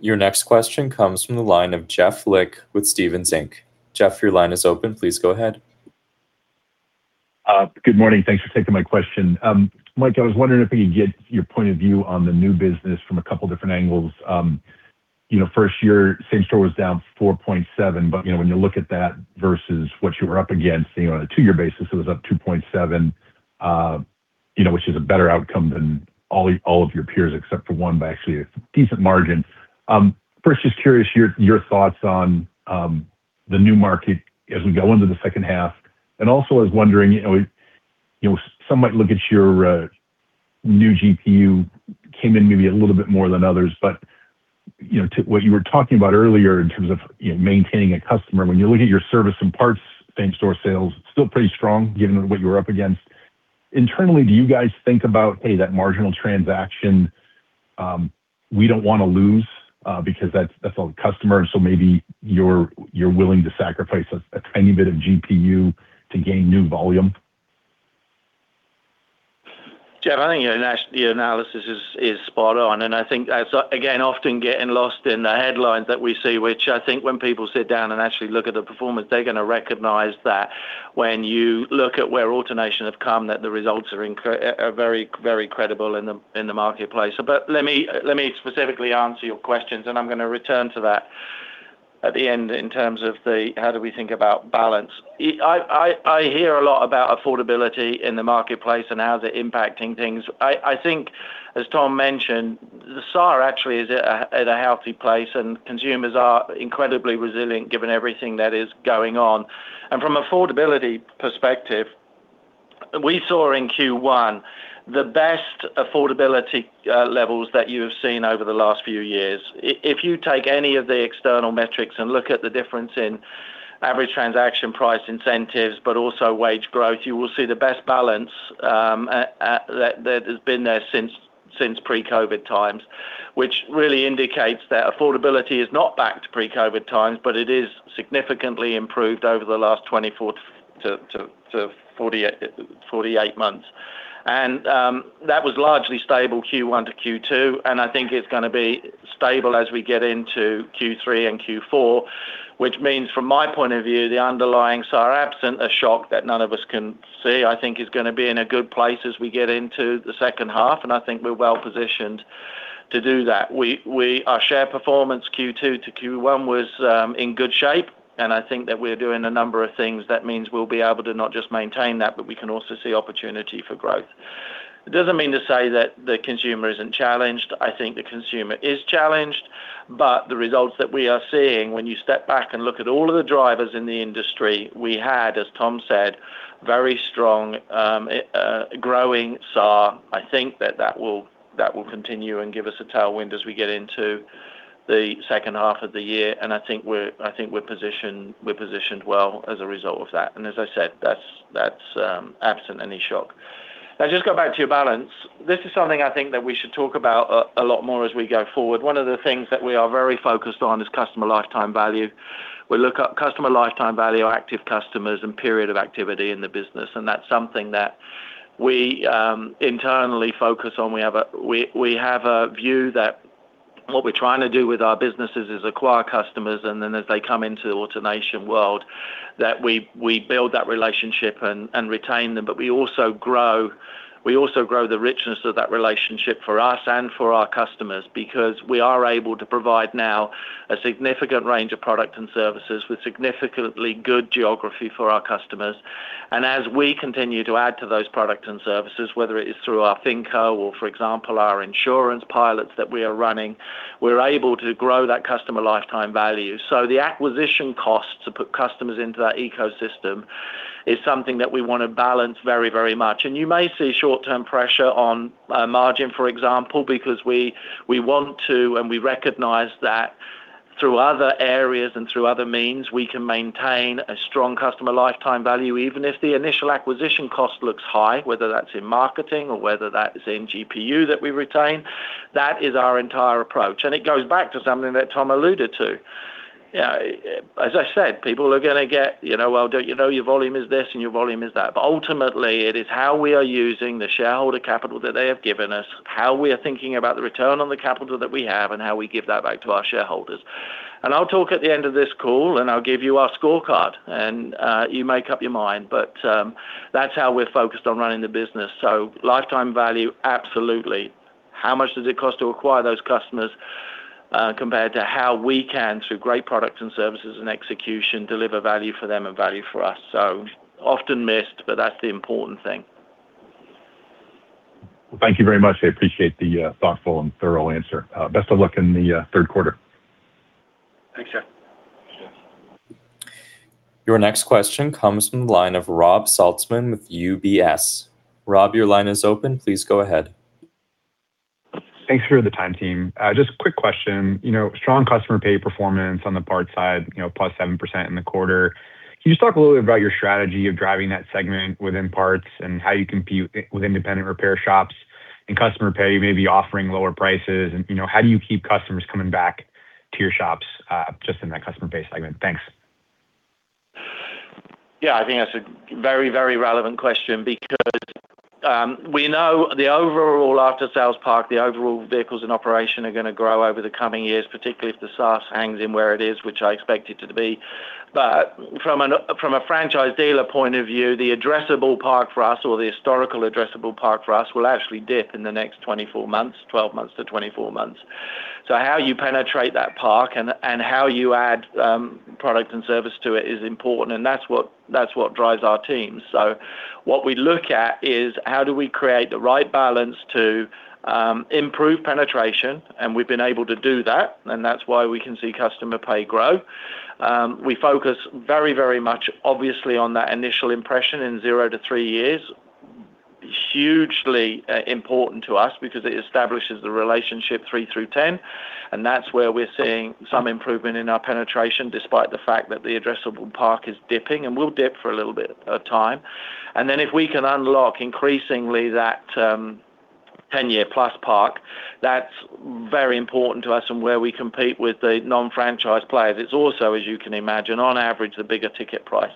[SPEAKER 1] Your next question comes from the line of Jeff Lick with Stephens Inc. Jeff, your line is open. Please go ahead.
[SPEAKER 9] Good morning. Thanks for taking my question. Mike, I was wondering if we could get your point of view on the new business from a couple different angles. First, your same-store was down 4.7%, but when you look at that versus what you were up against on a two-year basis, it was up 2.7%, which is a better outcome than all of your peers, except for one by actually a decent margin. First, just curious your thoughts on the new market as we go into the second half, and also I was wondering, some might look at your new GPU came in maybe a little bit more than others. To what you were talking about earlier in terms of maintaining a customer. When you look at your service and parts same-store sales, still pretty strong given what you were up against. Internally, do you guys think about, hey, that marginal transaction, we don't want to lose, because that's our customer, so maybe you're willing to sacrifice a tiny bit of GPU to gain new volume?
[SPEAKER 3] Jeff, I think your analysis is spot on. I think, again, often getting lost in the headlines that we see, which I think when people sit down and actually look at the performance, they're going to recognize that when you look at where AutoNation have come, that the results are very credible in the marketplace. Let me specifically answer your questions and I'm going to return to that at the end in terms of the how do we think about balance. I hear a lot about affordability in the marketplace and how they're impacting things. I think as Tom mentioned, the SAAR actually is at a healthy place and consumers are incredibly resilient given everything that is going on. From affordability perspective, we saw in Q1 the best affordability levels that you have seen over the last few years. If you take any of the external metrics and look at the difference in average transaction price incentives, but also wage growth, you will see the best balance that has been there since pre-COVID times, which really indicates that affordability is not back to pre-COVID times, but it is significantly improved over the last 24-48 months. That was largely stable Q1-Q2, and I think it's going to be stable as we get into Q3 and Q4, which means from my point of view, the underlying SAAR, absent a shock that none of us can see, I think is going to be in a good place as we get into the second half, and I think we're well-positioned to do that. Our share performance Q2-Q1 was in good shape, and I think that we're doing a number of things. That means we'll be able to not just maintain that, but we can also see opportunity for growth. It doesn't mean to say that the consumer isn't challenged. I think the consumer is challenged, but the results that we are seeing when you step back and look at all of the drivers in the industry, we had, as Tom said, very strong, growing SAAR. I think that that will continue and give us a tailwind as we get into the second half of the year, and I think we're positioned well as a result of that, and as I said, that's absent any shock. Now, just go back to your balance. This is something I think that we should talk about a lot more as we go forward. One of the things that we are very focused on is customer lifetime value. We look at customer lifetime value, our active customers, and period of activity in the business, that's something that we internally focus on. We have a view that what we're trying to do with our businesses is acquire customers, and then as they come into AutoNation world, that we build that relationship and retain them. We also grow the richness of that relationship for us and for our customers, because we are able to provide now a significant range of product and services with significantly good geography for our customers. As we continue to add to those products and services, whether it is through our Finco or, for example, our insurance pilots that we are running, we're able to grow that customer lifetime value. The acquisition cost to put customers into that ecosystem is something that we want to balance very much. You may see short-term pressure on margin, for example, because we want to, and we recognize that through other areas and through other means, we can maintain a strong customer lifetime value, even if the initial acquisition cost looks high, whether that's in marketing or whether that is in GPU that we retain. That is our entire approach, and it goes back to something that Tom alluded to. As I said, people are going to get, "Well, don't you know your volume is this and your volume is that?" Ultimately, it is how we are using the shareholder capital that they have given us, how we are thinking about the return on the capital that we have, and how we give that back to our shareholders. I'll talk at the end of this call, and I'll give you our scorecard, and you make up your mind. That's how we're focused on running the business. Lifetime value, absolutely. How much does it cost to acquire those customers, compared to how we can, through great products and services and execution, deliver value for them and value for us? Often missed, but that's the important thing.
[SPEAKER 9] Thank you very much. I appreciate the thoughtful and thorough answer. Best of luck in the third quarter.
[SPEAKER 3] Thanks, Jeff.
[SPEAKER 1] Your next question comes from the line of Rob Saltzman with UBS. Rob, your line is open. Please go ahead.
[SPEAKER 10] Thanks for the time, team. Just a quick question. Strong customer pay performance on the parts side, plus 7% in the quarter. Can you just talk a little bit about your strategy of driving that segment within parts and how you compete with independent repair shops and customer pay? You may be offering lower prices and how do you keep customers coming back to your shops, just in that customer pay segment? Thanks.
[SPEAKER 3] Yeah, I think that's a very relevant question because we know the overall after-sales part, the overall vehicles in operation are going to grow over the coming years, particularly if the SAAR hangs in where it is, which I expect it to be. From a franchise dealer point of view, the addressable part for us or the historical addressable part for us will actually dip in the next 24 months, 12 months to 24 months. How you penetrate that part and how you add product and service to it is important, and that's what drives our teams. What we look at is how do we create the right balance to improve penetration, and we've been able to do that, and that's why we can see customer pay grow. We focus very much, obviously, on that initial impression in zero to three years. Hugely important to us because it establishes the relationship three through 10, and that's where we're seeing some improvement in our penetration, despite the fact that the addressable part is dipping, and will dip for a little bit of time. If we can unlock increasingly that 10-year-plus part, that's very important to us and where we compete with the non-franchise players. It's also, as you can imagine, on average, a bigger ticket price.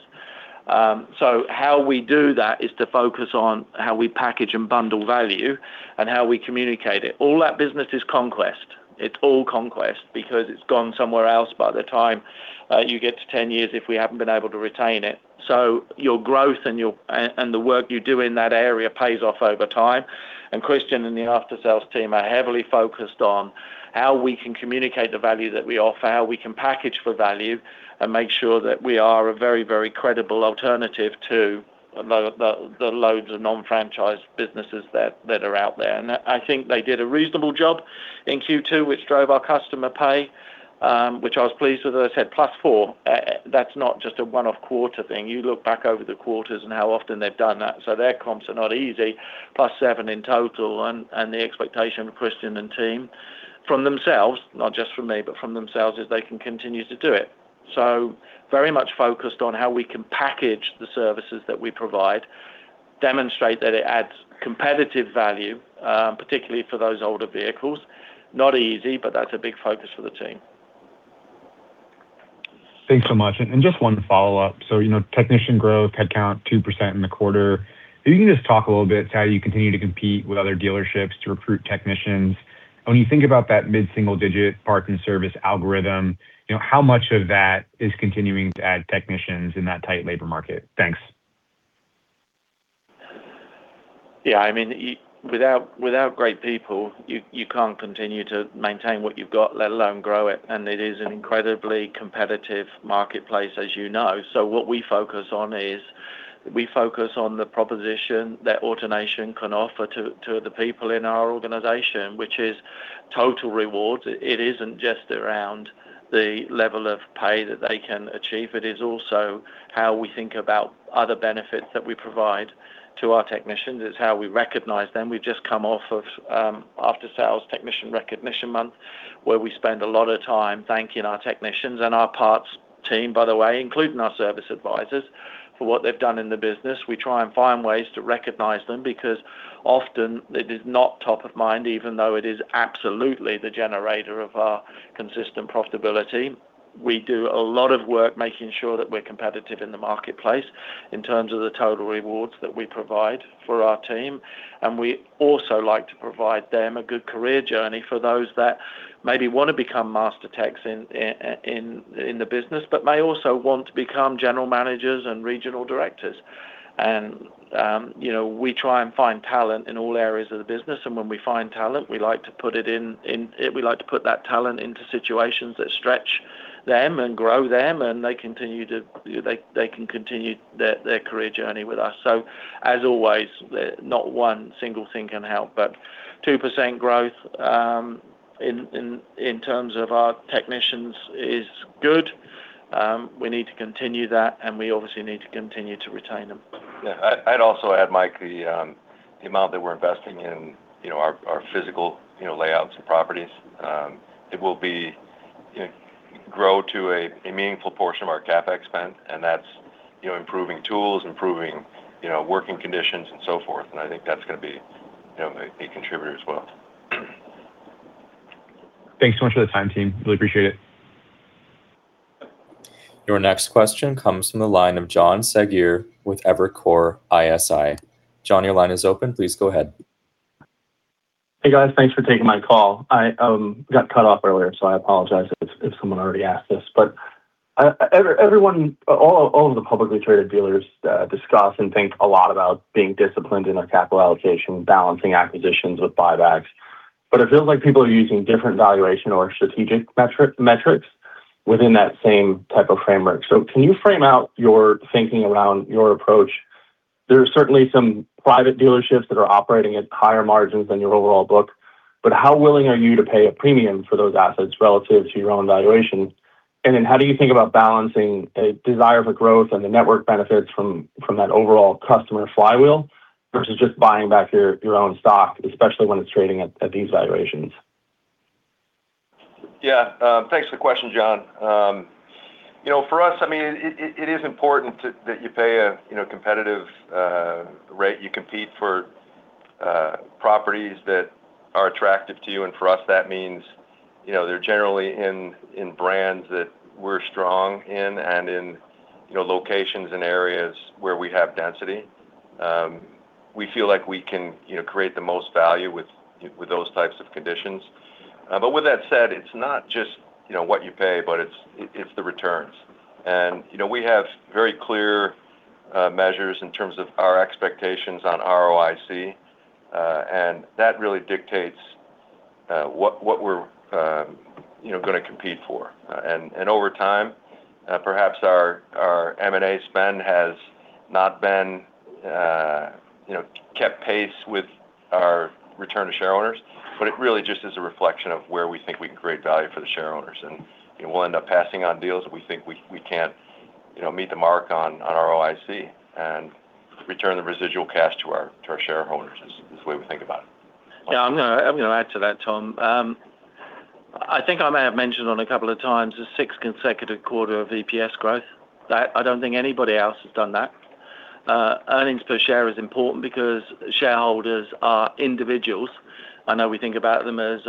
[SPEAKER 3] How we do that is to focus on how we package and bundle value and how we communicate it. All that business is conquest. It's all conquest because it's gone somewhere else by the time you get to 10 years, if we haven't been able to retain it. Your growth and the work you do in that area pays off over time. Christian and the aftersales team are heavily focused on how we can communicate the value that we offer, how we can package for value and make sure that we are a very credible alternative to the loads of non-franchise businesses that are out there. I think they did a reasonable job in Q2, which drove our customer pay, which I was pleased with. As I said, +4. That's not just a one-off quarter thing. You look back over the quarters and how often they've done that. Their comps are not easy. +7 in total and the expectation of Christian and team from themselves, not just from me, but from themselves, is they can continue to do it. Very much focused on how we can package the services that we provide, demonstrate that it adds competitive value, particularly for those older vehicles. Not easy, that's a big focus for the team.
[SPEAKER 10] Thanks so much. Just one follow-up. Technician growth headcount 2% in the quarter. If you can just talk a little bit to how you continue to compete with other dealerships to recruit technicians. When you think about that mid-single-digit parts and service algorithm, how much of that is continuing to add technicians in that tight labor market? Thanks.
[SPEAKER 3] Yeah, without great people, you can't continue to maintain what you've got, let alone grow it. It is an incredibly competitive marketplace, as you know. What we focus on is we focus on the proposition that AutoNation can offer to the people in our organization, which is total reward. It isn't just around the level of pay that they can achieve. It is also how we think about other benefits that we provide to our technicians. It's how we recognize them. We've just come off of After-sales Technician Recognition Month, where we spend a lot of time thanking our technicians and our parts team, by the way, including our service advisors for what they've done in the business. We try and find ways to recognize them because often it is not top of mind, even though it is absolutely the generator of our consistent profitability. We do a lot of work making sure that we're competitive in the marketplace in terms of the total rewards that we provide for our team. We also like to provide them a good career journey for those that maybe want to become master techs in the business, but may also want to become general managers and regional directors. We try and find talent in all areas of the business, and when we find talent, we like to put that talent into situations that stretch them and grow them, and they can continue their career journey with us. As always, not one single thing can help, but 2% growth in terms of our technicians is good. We need to continue that, and we obviously need to continue to retain them.
[SPEAKER 4] Yeah. I'd also add, Mike, the amount that we're investing in our physical layouts and properties. It will grow to a meaningful portion of our CapEx spend, and that's improving tools, improving working conditions, and so forth. I think that's going to be a contributor as well.
[SPEAKER 10] Thanks so much for the time, team. Really appreciate it.
[SPEAKER 1] Your next question comes from the line of John Segreti with Evercore ISI. John, your line is open. Please go ahead.
[SPEAKER 11] Hey guys, thanks for taking my call. I got cut off earlier, so I apologize if someone already asked this. All of the publicly traded dealers discuss and think a lot about being disciplined in their capital allocation, balancing acquisitions with buybacks. It feels like people are using different valuation or strategic metrics within that same type of framework. Can you frame out your thinking around your approach? There are certainly some private dealerships that are operating at higher margins than your overall book, how willing are you to pay a premium for those assets relative to your own valuation? How do you think about balancing a desire for growth and the network benefits from that overall customer flywheel versus just buying back your own stock, especially when it is trading at these valuations?
[SPEAKER 4] Yeah. Thanks for the question, John. For us, it is important that you pay a competitive rate. You compete for properties that are attractive to you, and for us, that means they are generally in brands that we are strong in and in locations and areas where we have density. We feel like we can create the most value with those types of conditions. With that said, it is not just what you pay, it is the returns. We have very clear measures in terms of our expectations on ROIC, and that really dictates what we are going to compete for. Over time, perhaps our M&A spend has not kept pace with our return to shareholders, it really just is a reflection of where we think we can create value for the shareholders. We will end up passing on deals if we think we cannot meet the mark on ROIC, and return the residual cash to our shareholders is the way we think about it.
[SPEAKER 3] Yeah, I am going to add to that, Tom. I think I may have mentioned on a couple of times the sixth consecutive quarter of EPS growth. I do not think anybody else has done that. Earnings per share is important because shareholders are individuals. I know we think about them as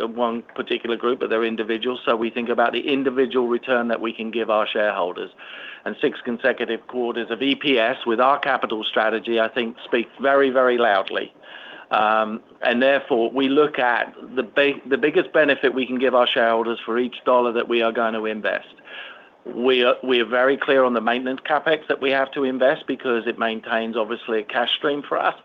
[SPEAKER 3] one particular group, they are individuals, so we think about the individual return that we can give our shareholders. Six consecutive quarters of EPS with our capital strategy, I think speaks very loudly. Therefore, we look at the biggest benefit we can give our shareholders for each dollar that we are going to invest. We are very clear on the maintenance CapEx that we have to invest because it maintains, obviously, a cash stream for us.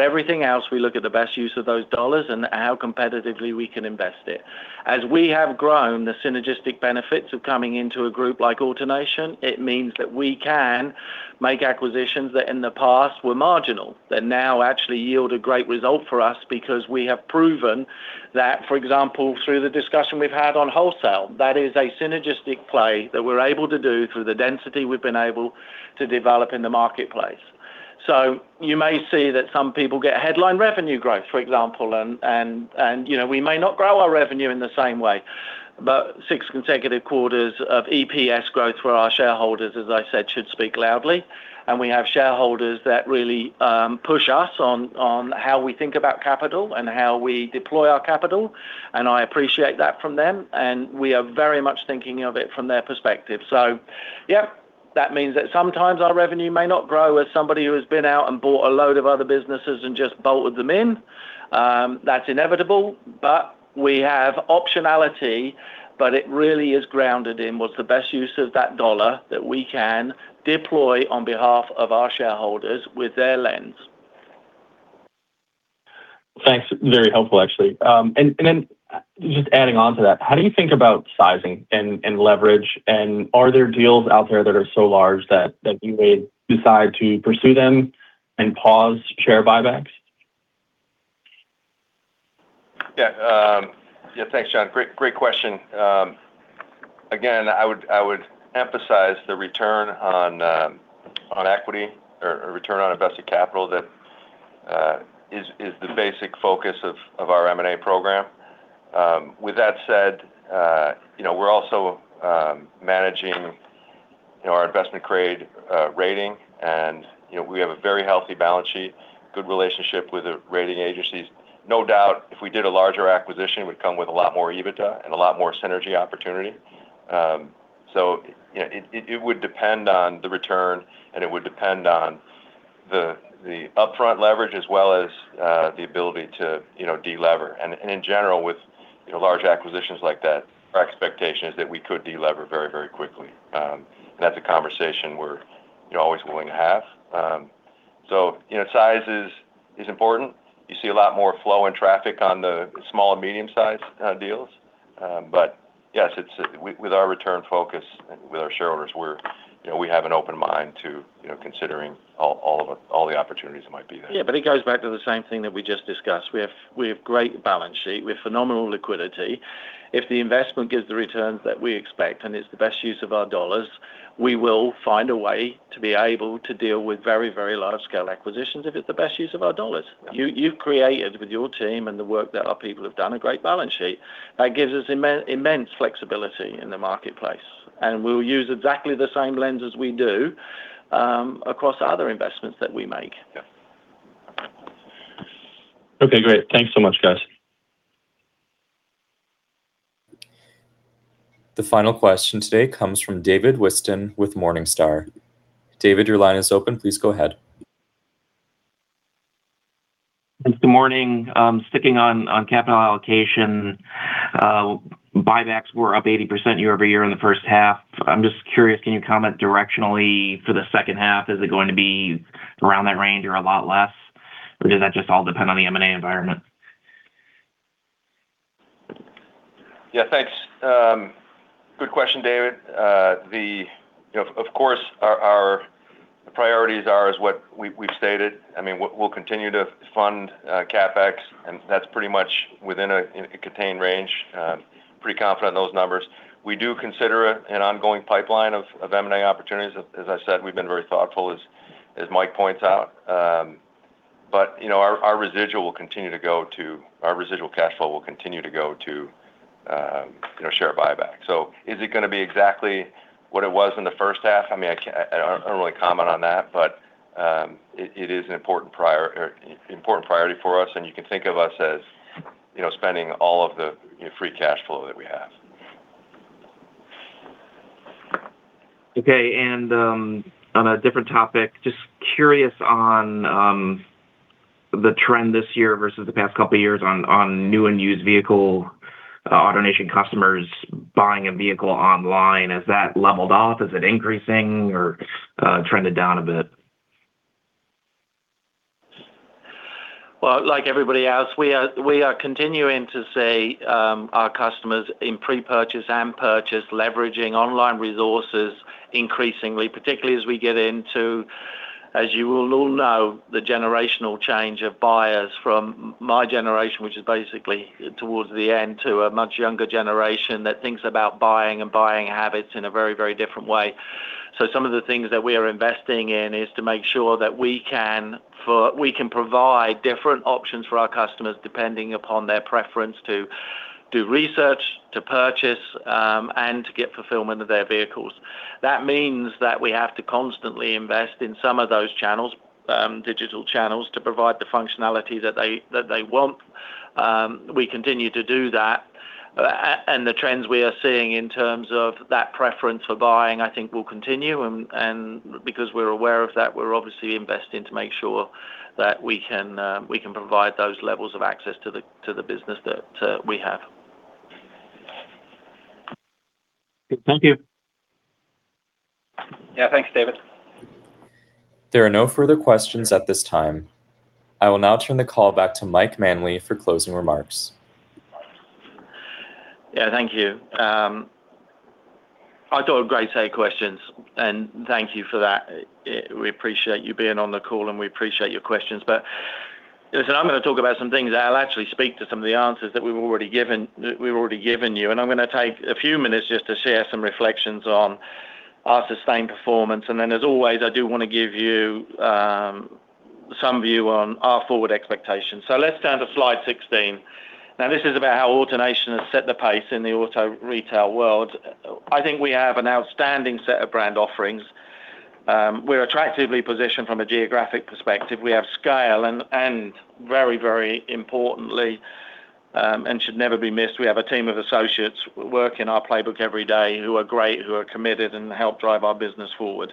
[SPEAKER 3] Everything else, we look at the best use of those dollars and how competitively we can invest it. As we have grown, the synergistic benefits of coming into a group like AutoNation, it means that we can make acquisitions that in the past were marginal, that now actually yield a great result for us because we have proven that, for example, through the discussion we've had on wholesale, that is a synergistic play that we're able to do through the density we've been able to develop in the marketplace. You may see that some people get headline revenue growth, for example, and we may not grow our revenue in the same way. Six consecutive quarters of EPS growth for our shareholders, as I said, should speak loudly. We have shareholders that really push us on how we think about capital and how we deploy our capital, and I appreciate that from them. We are very much thinking of it from their perspective. Yeah, that means that sometimes our revenue may not grow as somebody who has been out and bought a load of other businesses and just bolted them in. That's inevitable. We have optionality, but it really is grounded in what's the best use of that dollar that we can deploy on behalf of our shareholders with their lens.
[SPEAKER 11] Thanks. Very helpful, actually. Then just adding on to that, how do you think about sizing and leverage, and are there deals out there that are so large that you may decide to pursue them and pause share buybacks?
[SPEAKER 4] Yeah. Thanks, John. Great question. Again, I would emphasize the return on equity or return on invested capital that is the basic focus of our M&A program. With that said, we're also managing our investment grade rating, and we have a very healthy balance sheet, good relationship with the rating agencies. No doubt, if we did a larger acquisition, it would come with a lot more EBITDA and a lot more synergy opportunity. It would depend on the return, and it would depend on the upfront leverage as well as the ability to de-lever. In general, with large acquisitions like that, our expectation is that we could de-lever very quickly. That's a conversation we're always willing to have. Size is important. You see a lot more flow in traffic on the small and medium-sized deals. Yes, with our return focus with our shareholders, we have an open mind to considering all the opportunities that might be there.
[SPEAKER 3] Yeah, it goes back to the same thing that we just discussed. We have great balance sheet. We have phenomenal liquidity. If the investment gives the returns that we expect and it's the best use of our dollars, we will find a way to be able to deal with very large-scale acquisitions if it's the best use of our dollars. You've created, with your team and the work that our people have done, a great balance sheet that gives us immense flexibility in the marketplace. We'll use exactly the same lens as we do across other investments that we make.
[SPEAKER 4] Yeah.
[SPEAKER 11] Okay, great. Thanks so much, guys.
[SPEAKER 1] The final question today comes from David Whiston with Morningstar. David, your line is open. Please go ahead.
[SPEAKER 12] Good morning. Sticking on capital allocation, buybacks were up 80% year-over-year in the first half. I'm just curious, can you comment directionally for the second half? Is it going to be around that range or a lot less, or does that just all depend on the M&A environment?
[SPEAKER 4] Yeah, thanks. Good question, David. Of course, our priorities are as what we've stated. We'll continue to fund CapEx, that's pretty much within a contained range. Pretty confident in those numbers. We do consider an ongoing pipeline of M&A opportunities. As I said, we've been very thoughtful, as Mike points out. Our residual cash flow will continue to go to share buyback. Is it going to be exactly what it was in the first half? I can't really comment on that, but it is an important priority for us, and you can think of us as spending all of the free cash flow that we have.
[SPEAKER 12] Okay. On a different topic, just curious on the trend this year versus the past couple of years on new and used vehicle AutoNation customers buying a vehicle online. Has that leveled off? Is it increasing or trended down a bit?
[SPEAKER 3] Well, like everybody else, we are continuing to see our customers in pre-purchase and purchase leveraging online resources increasingly, particularly as we get into, as you will all know, the generational change of buyers from my generation, which is basically towards the end, to a much younger generation that thinks about buying and buying habits in a very different way. Some of the things that we are investing in is to make sure that we can provide different options for our customers, depending upon their preference to do research, to purchase, and to get fulfillment of their vehicles. That means that we have to constantly invest in some of those digital channels to provide the functionality that they want. We continue to do that. The trends we are seeing in terms of that preference for buying, I think will continue. Because we're aware of that, we're obviously investing to make sure that we can provide those levels of access to the business that we have.
[SPEAKER 12] Thank you.
[SPEAKER 3] Yeah. Thanks, David.
[SPEAKER 1] There are no further questions at this time. I will now turn the call back to Michael Manley for closing remarks.
[SPEAKER 3] Yeah. Thank you. I thought a great set of questions, and thank you for that. We appreciate you being on the call, and we appreciate your questions. Listen, I'm going to talk about some things that'll actually speak to some of the answers that we've already given you. I'm going to take a few minutes just to share some reflections on our sustained performance. As always, I do want to give you some view on our forward expectations. Let's turn to slide 16. This is about how AutoNation has set the pace in the auto retail world. I think we have an outstanding set of brand offerings. We're attractively positioned from a geographic perspective. We have scale, and very importantly, should never be missed, we have a team of associates work in our playbook every day who are great, who are committed, and help drive our business forward.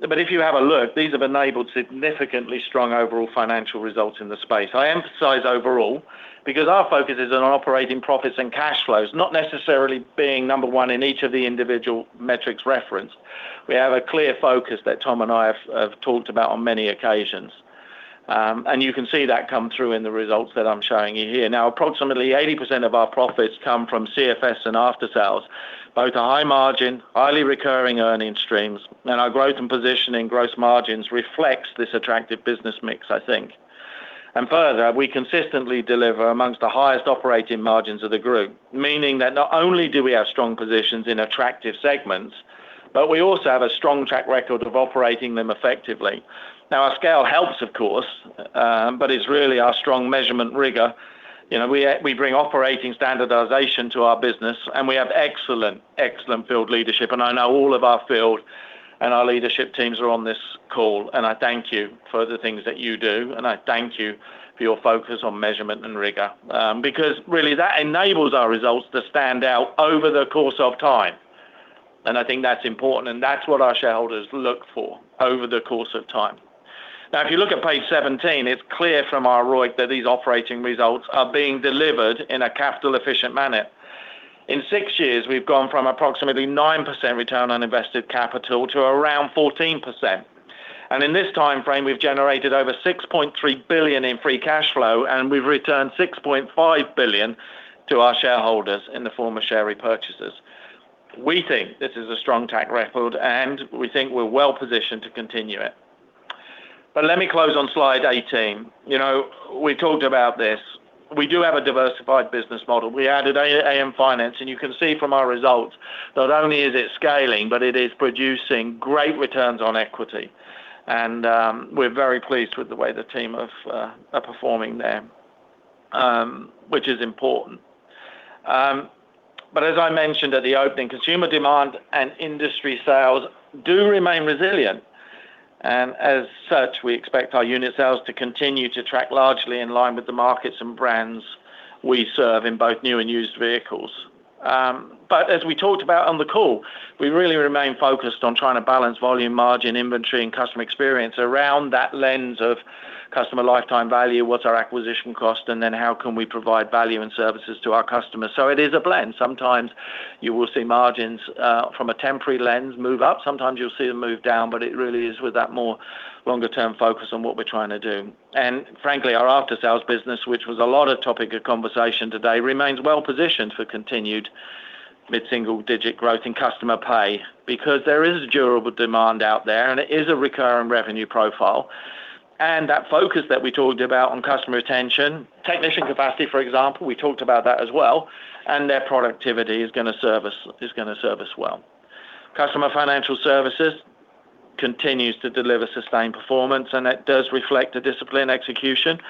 [SPEAKER 3] If you have a look, these have enabled significantly strong overall financial results in the space. I emphasize overall because our focus is on operating profits and cash flows, not necessarily being number one in each of the individual metrics referenced. We have a clear focus that Tom and I have talked about on many occasions. You can see that come through in the results that I'm showing you here. Approximately 80% of our profits come from CFS and aftersales, both are high margin, highly recurring earning streams, and our growth and position in gross margins reflects this attractive business mix, I think. Further, we consistently deliver amongst the highest operating margins of the group, meaning that not only do we have strong positions in attractive segments, but we also have a strong track record of operating them effectively. Our scale helps, of course, but it's really our strong measurement rigor. We bring operating standardization to our business, and we have excellent field leadership. I know all of our field and our leadership teams are on this call, and I thank you for the things that you do, and I thank you for your focus on measurement and rigor. Really that enables our results to stand out over the course of time. I think that's important, and that's what our shareholders look for over the course of time. If you look at page 17, it's clear from our ROIC that these operating results are being delivered in a capital efficient manner. In six years, we've gone from approximately 9% return on invested capital to around 14%. In this timeframe, we've generated over $6.3 billion in free cash flow, and we've returned $6.5 billion to our shareholders in the form of share repurchases. We think this is a strong track record, and we think we're well-positioned to continue it. Let me close on slide 18. We talked about this. We do have a diversified business model. We added AutoNation Finance, and you can see from our results, not only is it scaling, but it is producing great returns on equity. We're very pleased with the way the team are performing there, which is important. As I mentioned at the opening, consumer demand and industry sales do remain resilient. As such, we expect our unit sales to continue to track largely in line with the markets and brands we serve in both new and used vehicles. As we talked about on the call, we really remain focused on trying to balance volume, margin, inventory, and customer experience around that lens of customer lifetime value, what's our acquisition cost, and then how can we provide value and services to our customers. It is a blend. Sometimes you will see margins from a temporary lens move up. Sometimes you'll see them move down. It really is with that more longer-term focus on what we're trying to do. Frankly, our after-sales business, which was a lot of topic of conversation today, remains well-positioned for continued mid-single digit growth in customer pay because there is durable demand out there, and it is a recurring revenue profile. That focus that we talked about on customer retention, technician capacity, for example, we talked about that as well, and their productivity is going to serve us well. Customer financial services continues to deliver sustained performance, and that does reflect a discipline execution.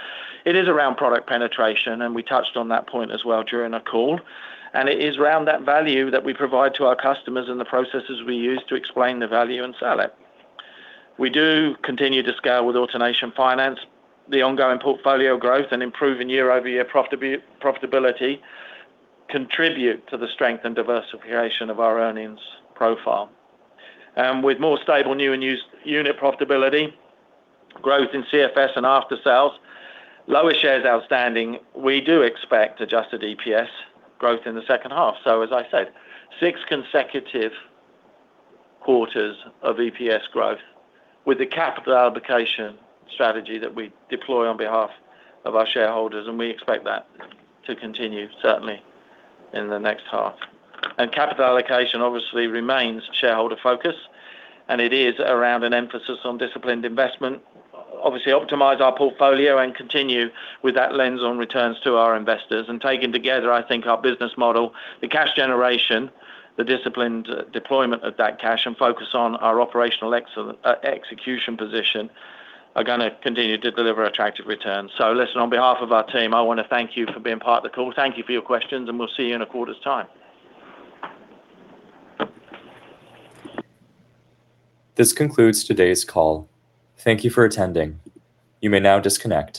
[SPEAKER 3] It is around product penetration, and we touched on that point as well during our call. It is around that value that we provide to our customers and the processes we use to explain the value and sell it. We do continue to scale with AutoNation Finance, the ongoing portfolio growth, and improving year-over-year profitability contribute to the strength and diversification of our earnings profile. With more stable new and used unit profitability, growth in CFS and after-sales, lower shares outstanding, we do expect adjusted EPS growth in the second half. As I said, six consecutive quarters of EPS growth with the capital allocation strategy that we deploy on behalf of our shareholders. We expect that to continue certainly in the next half. Capital allocation obviously remains shareholder focus, and it is around an emphasis on disciplined investment. Obviously, optimize our portfolio and continue with that lens on returns to our investors. Taken together, I think our business model, the cash generation, the disciplined deployment of that cash, and focus on our operational execution position are going to continue to deliver attractive returns. Listen, on behalf of our team, I want to thank you for being part of the call. Thank you for your questions. We'll see you in a quarter's time.
[SPEAKER 1] This concludes today's call. Thank you for attending. You may now disconnect.